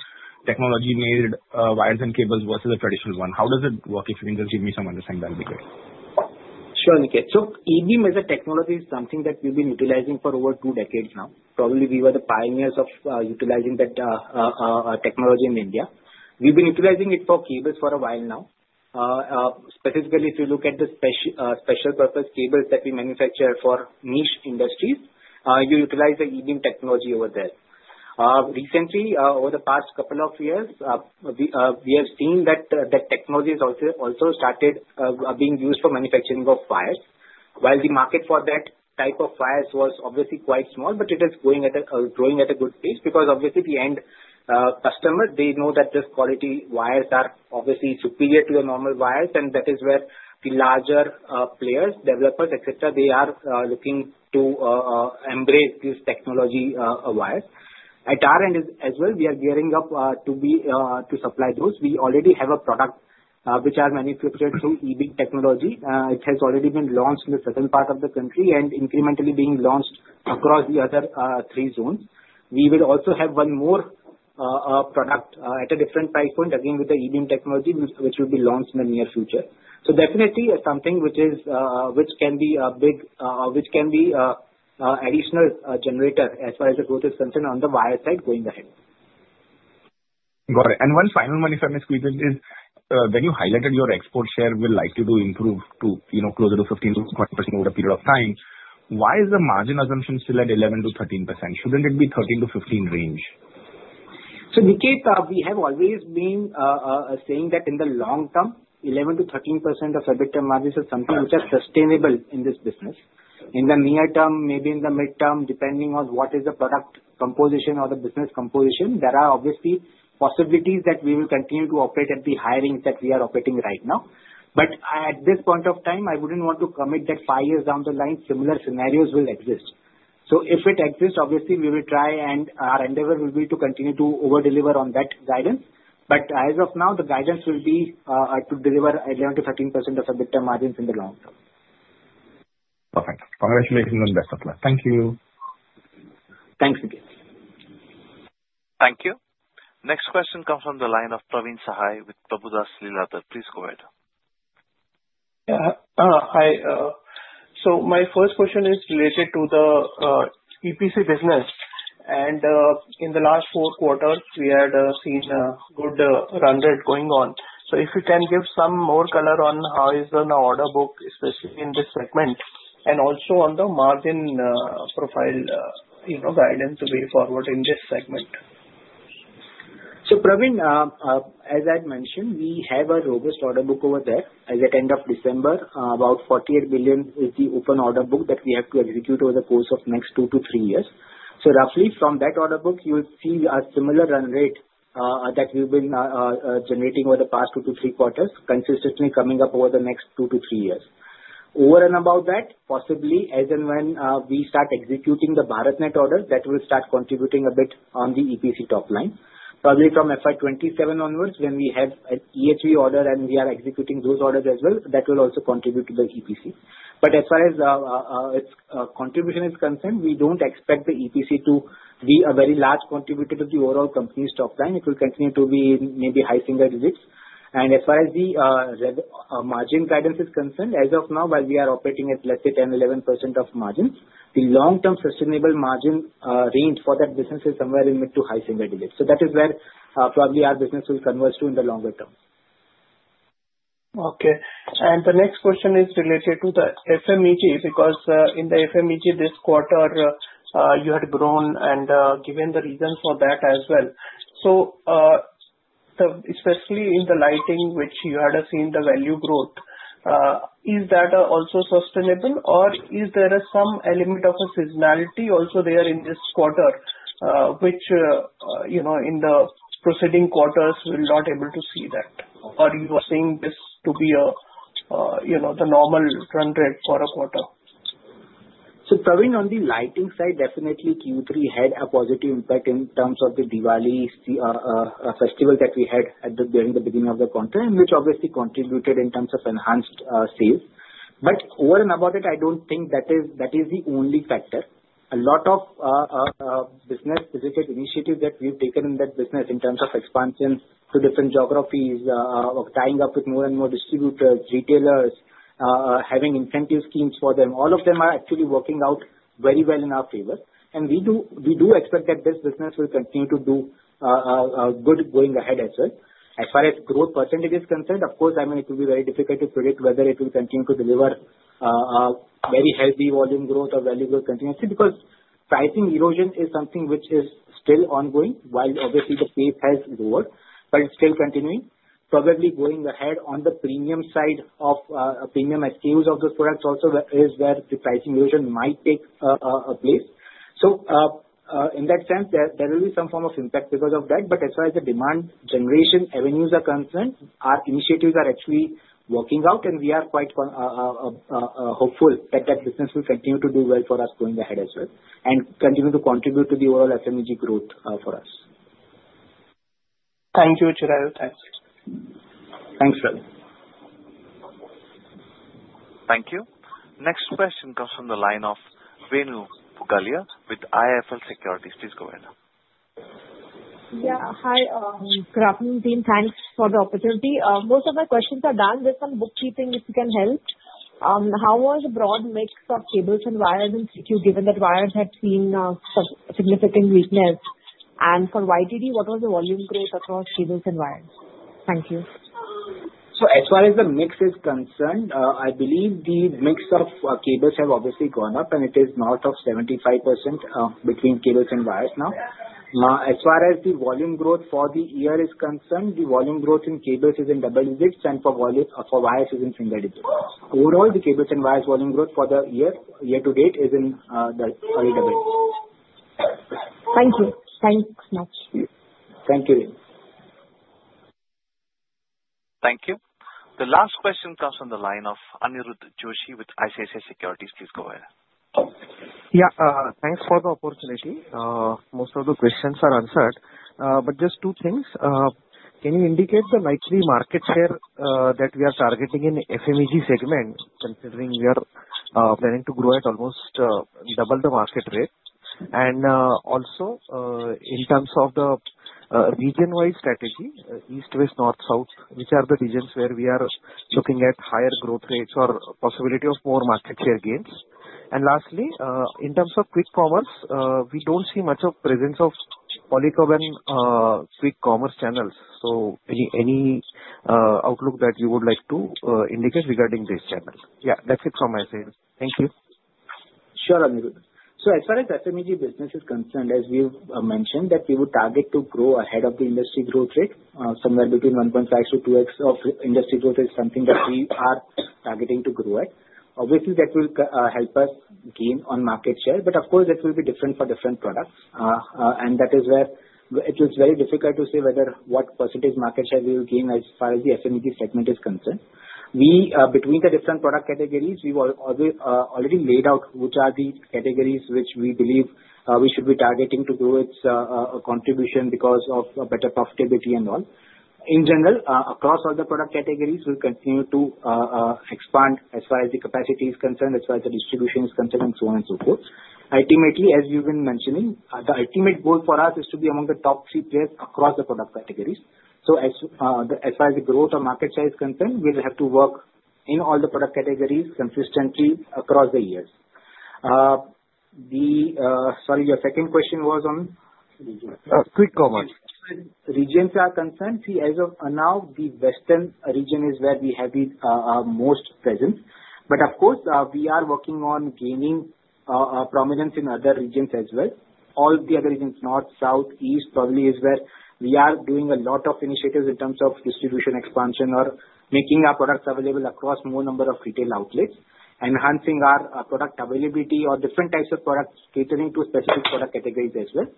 S11: technology-made wires and cables versus a traditional one? How does it work? If you can just give me some understanding, that would be great.
S4: Sure, Niket. So E-Beam as a technology is something that we've been utilizing for over two decades now. Probably we were the pioneers of utilizing that technology in India. We've been utilizing it for cables for a while now. Specifically, if you look at the special-purpose cables that we manufacture for niche industries, you utilize the E-Beam technology over there. Recently, over the past couple of years, we have seen that the technology has also started being used for manufacturing of wires. While the market for that type of wires was obviously quite small, but it is growing at a good pace because obviously the end customer, they know that this quality wires are obviously superior to the normal wires, and that is where the larger players, developers, etc., they are looking to embrace this technology of wires. At our end as well, we are gearing up to supply those. We already have a product which is manufactured through E-Beam technology. It has already been launched in a certain part of the country and incrementally being launched across the other three zones. We will also have one more product at a different price point, again with the E-Beam technology, which will be launched in the near future. So definitely something which can be an additional generator as far as the growth is concerned on the wire side going ahead.
S11: Got it. And one final one, if I may squeeze in, is when you highlighted your export share will likely improve to closer to 15%-20% over a period of time, why is the margin assumption still at 11%-13%? Shouldn't it be 13%-15% range?
S4: So Niket, we have always been saying that in the long term, 11%-13% of EBITDA margins is something which is sustainable in this business. In the near term, maybe in the midterm, depending on what is the product composition or the business composition, there are obviously possibilities that we will continue to operate at the higher ends that we are operating right now. But at this point of time, I wouldn't want to commit that five years down the line, similar scenarios will exist. So if it exists, obviously we will try, and our endeavor will be to continue to overdeliver on that guidance. But as of now, the guidance will be to deliver 11%-13% of EBITDA margins in the long term.
S11: Perfect. Congratulations and best of luck. Thank you.
S4: Thanks, Niket.
S1: Thank you. Next question comes from the line of Praveen Sahay with Prabhudas Lilladher. Please go ahead.
S12: Yeah. Hi. So my first question is related to the EPC business. And in the last four quarters, we had seen a good run rate going on. So if you can give some more color on how is the order book, especially in this segment, and also on the margin profile guidance going forward in this segment.
S4: Praveen, as I had mentioned, we have a robust order book over there. As at end of December, about 48 million is the open order book that we have to execute over the course of the next two to three years. Roughly from that order book, you'll see a similar run rate that we've been generating over the past two to three quarters, consistently coming up over the next two to three years. Over and above that, possibly as and when we start executing the BharatNet order, that will start contributing a bit on the EPC top line. Probably from FY27 onwards, when we have an EHV order and we are executing those orders as well, that will also contribute to the EPC. But as far as its contribution is concerned, we don't expect the EPC to be a very large contributor to the overall company's top line. It will continue to be maybe high single digits. And as far as the margin guidance is concerned, as of now, while we are operating at, let's say, 10%-11% of margins, the long-term sustainable margin range for that business is somewhere in mid to high single digits. So that is where probably our business will converge to in the longer term.
S12: Okay. And the next question is related to the FMEG because in the FMEG this quarter, you had grown and given the reason for that as well. So especially in the lighting, which you had seen the value growth, is that also sustainable, or is there some element of a seasonality also there in this quarter, which in the preceding quarters we were not able to see that? Or you were seeing this to be the normal run rate for a quarter?
S4: So probably on the lighting side, definitely Q3 had a positive impact in terms of the Diwali festival that we had during the beginning of the quarter, which obviously contributed in terms of enhanced sales. But over and above it, I don't think that is the only factor. A lot of business-related initiatives that we've taken in that business in terms of expansion to different geographies, tying up with more and more distributors, retailers, having incentive schemes for them, all of them are actually working out very well in our favor. We do expect that this business will continue to do good going ahead as well. As far as growth percentage is concerned, of course, I mean, it will be very difficult to predict whether it will continue to deliver very healthy volume growth or value growth continuously because pricing erosion is something which is still ongoing while obviously the pace has lowered, but it's still continuing. Probably going ahead on the premium side of premium SKUs of those products also is where the pricing erosion might take place. In that sense, there will be some form of impact because of that. As far as the demand generation avenues are concerned, our initiatives are actually working out, and we are quite hopeful that that business will continue to do well for us going ahead as well and continue to contribute to the overall FMEG growth for us.
S12: Thank you, Chirayu. Thanks.
S4: Thanks, Praveen.
S1: Thank you. Next question comes from the line of Renu Pugalia with IIFL Securities. Please go ahead.
S13: Yeah. Hi. Good afternoon, team. Thanks for the opportunity. Most of my questions are done. Just some bookkeeping, if you can help. How was the broad mix of cables and wires in Q2 given that wires had seen significant weakness? And for YTD, what was the volume growth across cables and wires? Thank you.
S4: As far as the mix is concerned, I believe the mix of cables has obviously gone up, and it is north of 75% between cables and wires now. As far as the volume growth for the year is concerned, the volume growth in cables is in double digits, and for wires, it is in single digits. Overall, the cables and wires volume growth for the year to date is in double digits.
S13: Thank you. Thanks much.
S4: Thank you.
S1: Thank you. The last question comes from the line of Aniruddha Joshi with ICICI Securities. Please go ahead. Yeah. Thanks for the opportunity. Most of the questions are answered. But just two things. Can you indicate the likely market share that we are targeting in the FMEG segment, considering we are planning to grow at almost double the market rate? And also, in terms of the region-wide strategy, east, west, north, south, which are the regions where we are looking at higher growth rates or possibility of more market share gains? And lastly, in terms of quick commerce, we don't see much of presence of Polycab quick commerce channels. So any outlook that you would like to indicate regarding this channel? Yeah. That's it from my side.
S14: Thank you. Sure, Aniruddha.
S4: As far as the FMEG business is concerned, as we've mentioned, that we would target to grow ahead of the industry growth rate. Somewhere between 1.5x-2x of industry growth is something that we are targeting to grow at. Obviously, that will help us gain on market share. Of course, that will be different for different products. That is where it is very difficult to say whether what percentage market share we will gain as far as the FMEG segment is concerned. Between the different product categories, we've already laid out which are the categories which we believe we should be targeting to grow its contribution because of better profitability and all. In general, across all the product categories, we'll continue to expand as far as the capacity is concerned, as far as the distribution is concerned, and so on and so forth. Ultimately, as you've been mentioning, the ultimate goal for us is to be among the top three players across the product categories. So as far as the growth or market share is concerned, we'll have to work in all the product categories consistently across the years. Sorry, your second question was on quick commerce. Regions are concerned. See, as of now, the western region is where we have the most presence. But of course, we are working on gaining prominence in other regions as well. All the other regions, north, south, east, probably is where we are doing a lot of initiatives in terms of distribution expansion or making our products available across more number of retail outlets, enhancing our product availability or different types of products catering to specific product categories as well.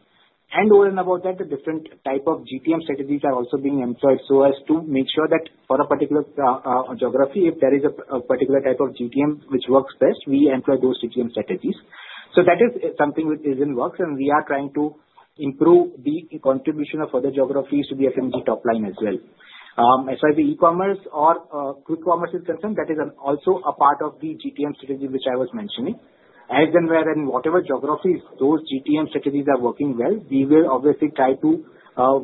S4: And over and above that, the different type of GTM strategies are also being employed so as to make sure that for a particular geography, if there is a particular type of GTM which works best, we employ those GTM strategies. So that is something which is in works, and we are trying to improve the contribution of other geographies to the FMEG top line as well. As far as the e-commerce or quick commerce is concerned, that is also a part of the GTM strategy which I was mentioning. As and where and whatever geographies those GTM strategies are working well, we will obviously try to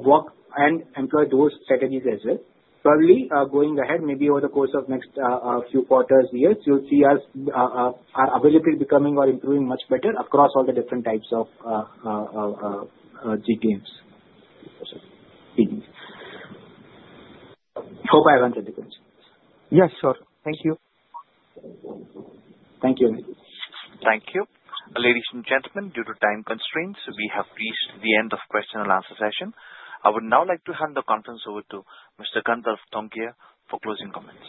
S4: work and employ those strategies as well. Probably going ahead, maybe over the course of next few quarters, years, you'll see us are able to be becoming or improving much better across all the different types of GTMs. Hope I answered the question.
S14: Yes, sure. Thank you.
S4: Thank you.
S1: Thank you. Ladies and gentlemen, due to time constraints, we have reached the end of the question and answer session. I would now like to hand the conference over to Mr. Gandharv Tongia for closing comments.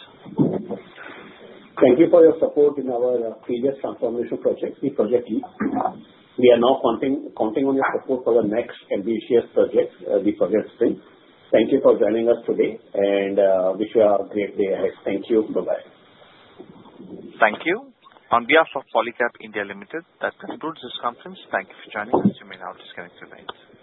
S2: Thank you for your support in our previous transformation project, the Project Leap. We are now counting on your support for the next ambitious project, the Project Spring. Thank you for joining us today, and wish you a great day ahead. Thank you. Bye-bye.
S1: Thank you. On behalf of Polycab India Limited, that concludes this conference. Thank you for joining us. You may now disconnect your lines.